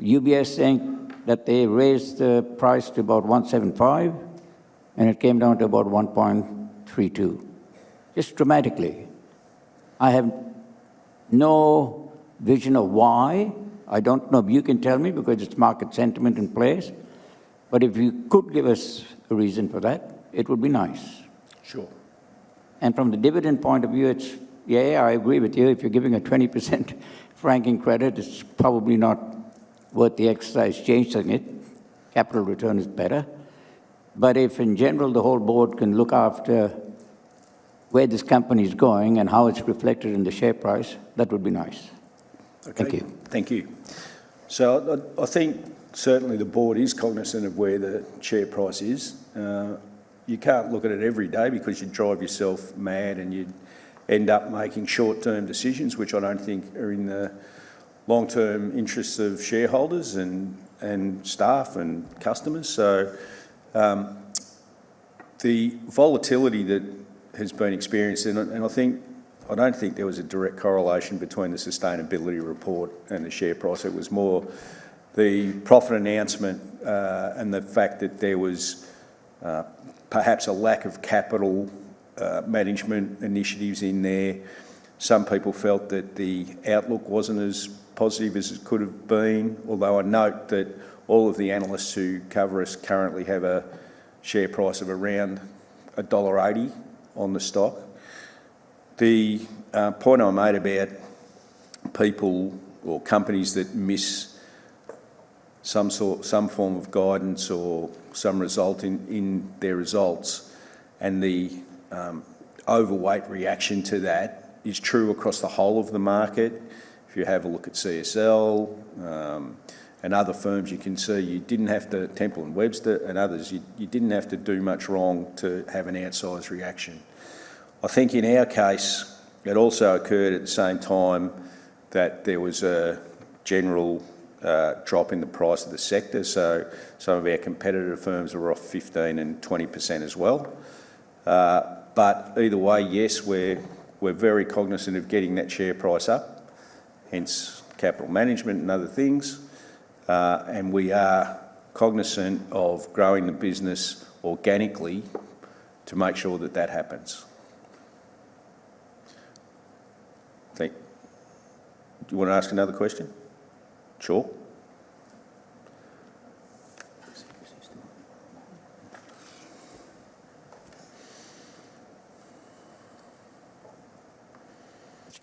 K: UBS saying that they raised the price to about 1.75, and it came down to about 1.32, just dramatically. I have no vision of why. I don't know if you can tell me, because it's market sentiment in place. If you could give us a reason for that, it would be nice.
A: Sure.
K: From the dividend point of view, yeah, I agree with you. If you're giving a 20% franking credit, it's probably not worth the exercise changing it. Capital return is better. If in general, the whole Board can look after where this company's going and how it's reflected in the share price, that would be nice.
A: Okay.
K: Thank you.
A: Thank you. I think certainly the Board is cognizant of where the share price is. You can't look at it every day because you'd drive yourself mad, and you'd end up making short-term decisions, which I don't think are in the long-term interests of shareholders and staff and customers. The volatility that has been experienced, and I don't think there was a direct correlation between the Sustainability Report and the share price. It was more the profit announcement, and the fact that there was perhaps a lack of capital management initiatives in there. Some people felt that the outlook wasn't as positive as it could have been, although I'd note that all of the analysts who cover us currently have a share price of around dollar 1.80 on the stock. The point I made about people or companies that miss some form of guidance or some result in their results, and the overweight reaction to that is true across the whole of the market. If you have a look at CSL and other firms, you can see Temple & Webster and others, you didn't have to do much wrong to have an outsize reaction. I think in our case, it also occurred at the same time that there was a general drop in the price of the sector. Some of our competitor firms were off 15% and 20% as well. Either way, yes, we're very cognizant of getting that share price up, hence capital management and other things. We are cognizant of growing the business organically to make sure that that happens. Do you want to ask another question? Sure.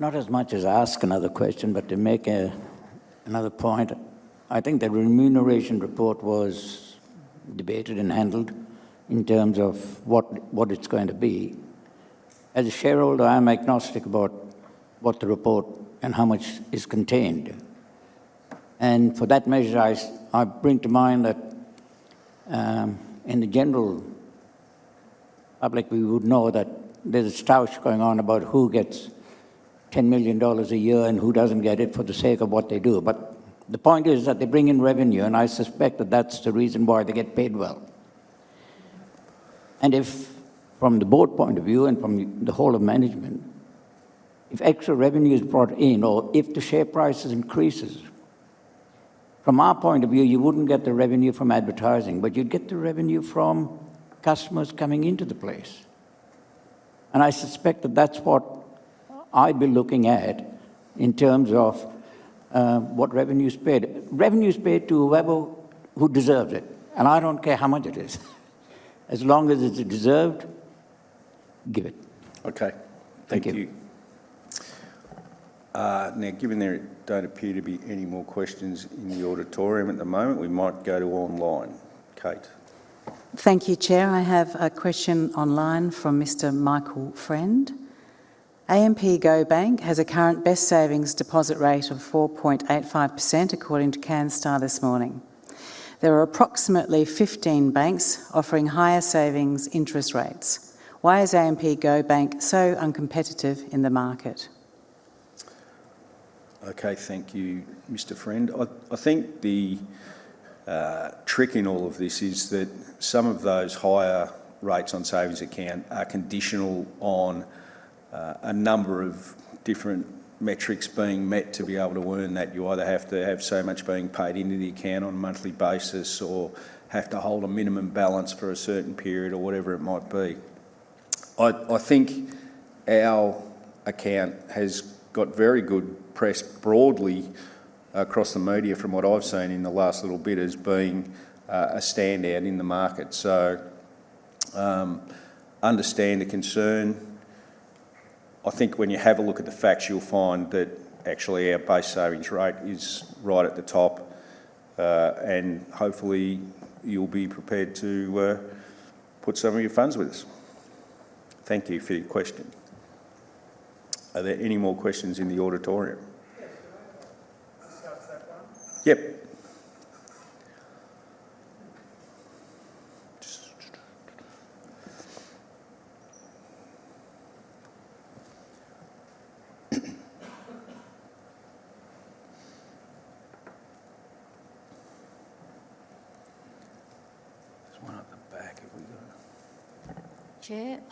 A: It's not as much as ask another question, but to make another point. I think the Remuneration Report was debated and handled in terms of what it's going to be. As a shareholder, I'm agnostic about what the report and how much is contained. For that measure, I bring to mind that, in the general public, we would know that there's a stoush going on about who gets 10 million dollars a year and who doesn't get it for the sake of what they do.
K: The point is that they bring in revenue, and I suspect that that's the reason why they get paid well. From the Board point of view and from the whole of Management, if extra revenue is brought in or if the share prices increases, from our point of view, you wouldn't get the revenue from advertising, but you'd get the revenue from customers coming into the place. I suspect that's what I'd be looking at in terms of what revenue is paid. Revenue is paid to whoever deserves it, and I don't care how much it is. As long as it's deserved, give it.
A: Okay. Thank you.
K: Thank you.
A: Now, given there don't appear to be any more questions in the auditorium at the moment, we might go to online. Kate?
B: Thank you, Chair. I have a question online from Mr. Michael Friend. AMP Bank GO has a current best savings deposit rate of 4.85% according to Canstar this morning. There are approximately 15 banks offering higher savings interest rates. Why is AMP Bank GO so uncompetitive in the market?
A: Okay. Thank you, Michael Friend. I think the trick in all of this is that some of those higher rates on savings account are conditional on a number of different metrics being met to be able to earn that. You either have to have so much being paid into the account on a monthly basis or have to hold a minimum balance for a certain period or whatever it might be. I think our account has got very good press broadly across the media, from what I've seen in the last little bit, as being a standout in the market. Understand the concern. I think when you have a look at the facts, you'll find that actually our base savings rate is right at the top. Hopefully, you'll be prepared to put some of your funds with us. Thank you for your question. Are there any more questions in the auditorium?
L: Yes.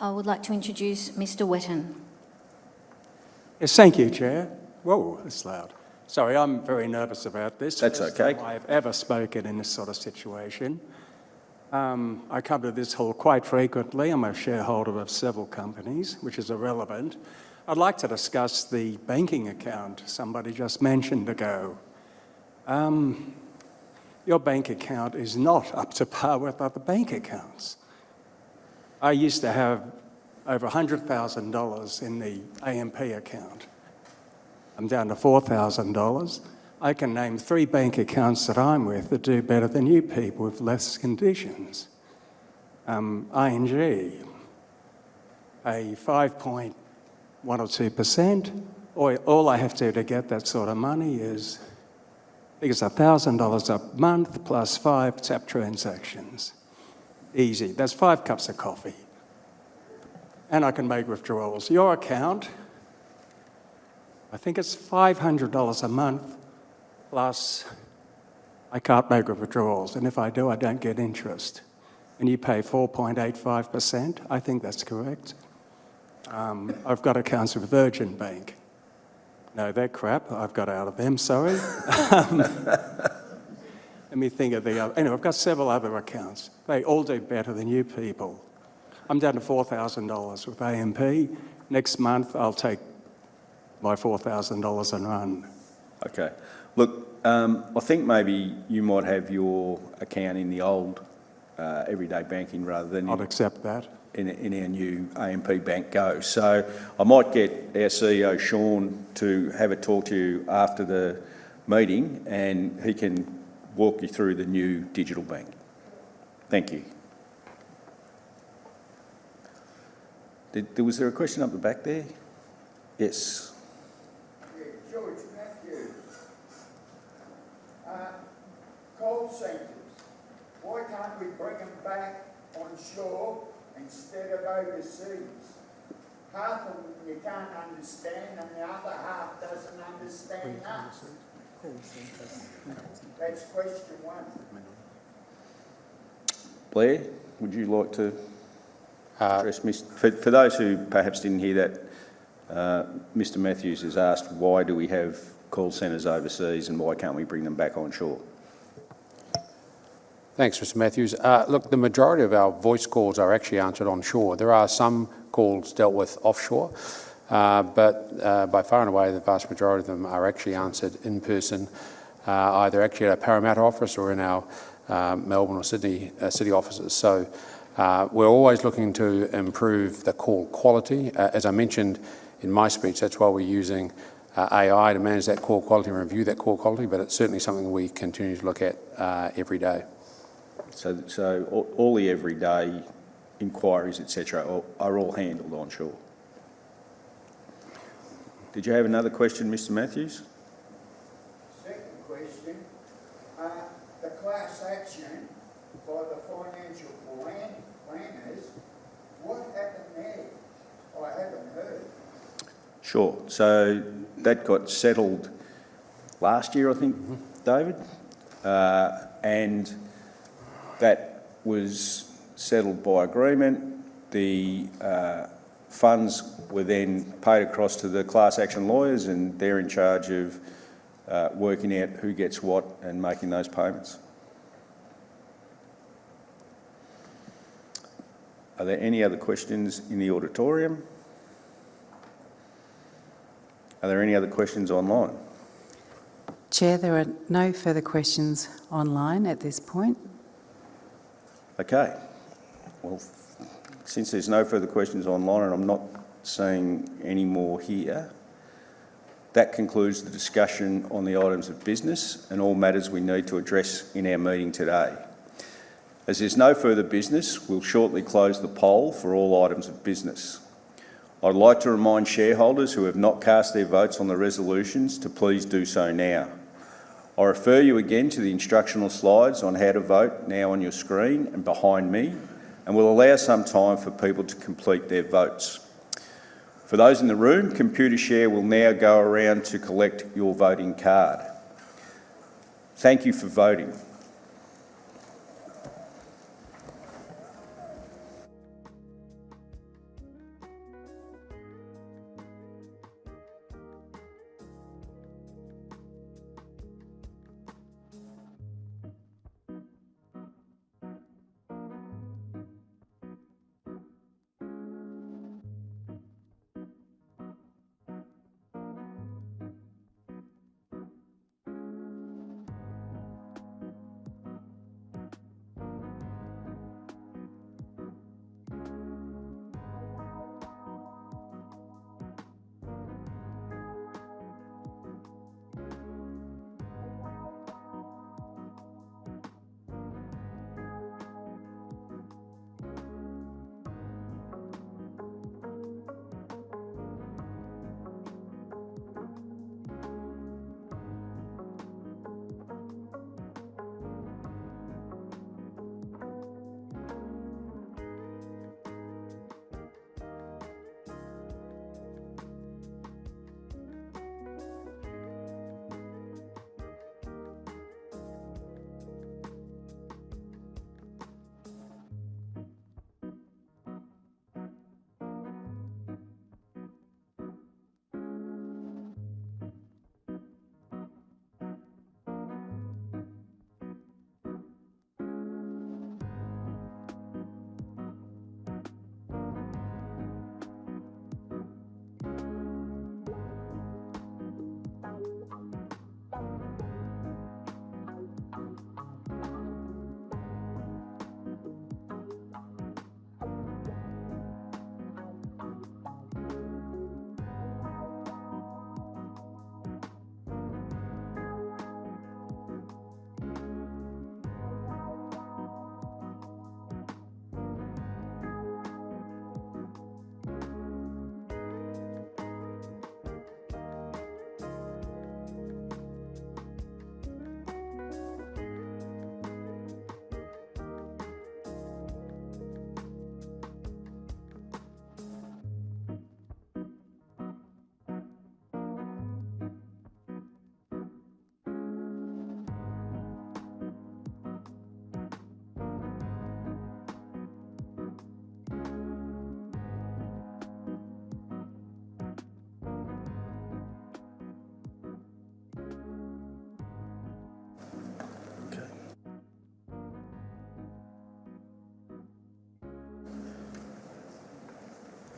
A: Yep. There's one at the back.
D: Chair, I would like to introduce Mr. Whiten.
K: Yes. Thank you, Chair. Whoa, that's loud. Sorry, I'm very nervous about this.
A: That's okay.
K: This is why I've ever spoken in this sort of situation. I cover this hall quite frequently. I'm a shareholder of several companies, which is irrelevant. I'd like to discuss the banking account somebody just mentioned ago. Your bank account is not up to par with other bank accounts. I used to have over 100,000 dollars in the AMP account. I'm down to 4,000 dollars. I can name three bank accounts that I'm with that do better than you people with less conditions. ING, a 5.1% or 2%. All I have to do to get that sort of money is, I think it's 1,000 dollars a month plus five tap transactions. Easy. That's five cups of coffee, and I can make withdrawals. Your account, I think it's 500 dollars a month, plus I can't make withdrawals, and if I do, I don't get interest. You pay 4.85%. I think that's correct. I've got accounts with Virgin Money. No, they're crap. I've got out of them, sorry. Let me think of the other. Anyway, I've got several other accounts. They all do better than you people. I'm down to 4,000 dollars with AMP. Next month, I'll take my 4,000 dollars and run.
A: Look, I think maybe you might have your account in the old everyday banking.
K: I'd accept that.
A: In our new AMP Bank GO. I might get our CEO, Sean, to have a talk to you after the meeting, and he can walk you through the new digital bank. Thank you. Was there a question up the back there? Yes.
M: Yeah. George Matthews. Call centers, why can't we bring them back onshore instead of overseas? Half of them, you can't understand, and the other half doesn't understand us. That's question one.
A: Blair, would you like to address? For those who perhaps didn't hear that, Mr. Matthews has asked why do we have call centers overseas and why can't we bring them back onshore?
C: Thanks, Mr. Matthews. Look, the majority of our voice calls are actually answered onshore. There are some calls dealt with offshore. By far and away, the vast majority of them are actually answered in person, either actually at our Parramatta office or in our Melbourne or Sydney city offices. We're always looking to improve the call quality. As I mentioned in my speech, that's why we're using AI to manage that call quality and review that call quality, but it's certainly something we continue to look at every day. All the everyday inquiries, et cetera, are all handled onshore. Did you have another question, Mr. Matthews?
M: Second question. The class action by the financial planners.
A: Sure. That got settled last year, I think, David?
L: Mm-hmm.
A: That was settled by agreement. The funds were then paid across to the class action lawyers, and they're in charge of working out who gets what and making those payments. Are there any other questions in the auditorium? Are there any other questions online?
B: Chair, there are no further questions online at this point.
A: Okay. Well, since there's no further questions online and I'm not seeing any more here, that concludes the discussion on the items of business and all matters we need to address in our meeting today. As there's no further business, we'll shortly close the poll for all items of business. I'd like to remind shareholders who have not cast their votes on the resolutions to please do so now. I refer you again to the instructional slides on how to vote now on your screen and behind me, and we'll allow some time for people to complete their votes. For those in the room, Computershare will now go around to collect your voting card. Thank you for voting.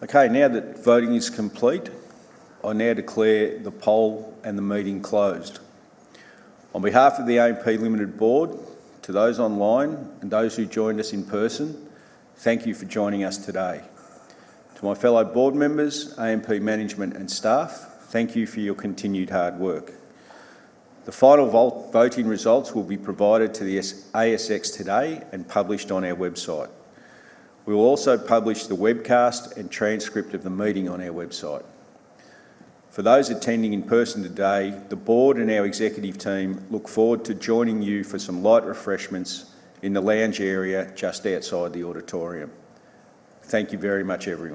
A: Okay. Now that voting is complete, I now declare the poll and the meeting closed. On behalf of the AMP Limited Board, to those online and those who joined us in person, thank you for joining us today. To my fellow Board members, AMP Management, and staff, thank you for your continued hard work. The final voting results will be provided to the ASX today and published on our website. We will also publish the webcast and transcript of the meeting on our website. For those attending in person today, the Board and our Executive Team look forward to joining you for some light refreshments in the lounge area just outside the auditorium. Thank you very much, everyone.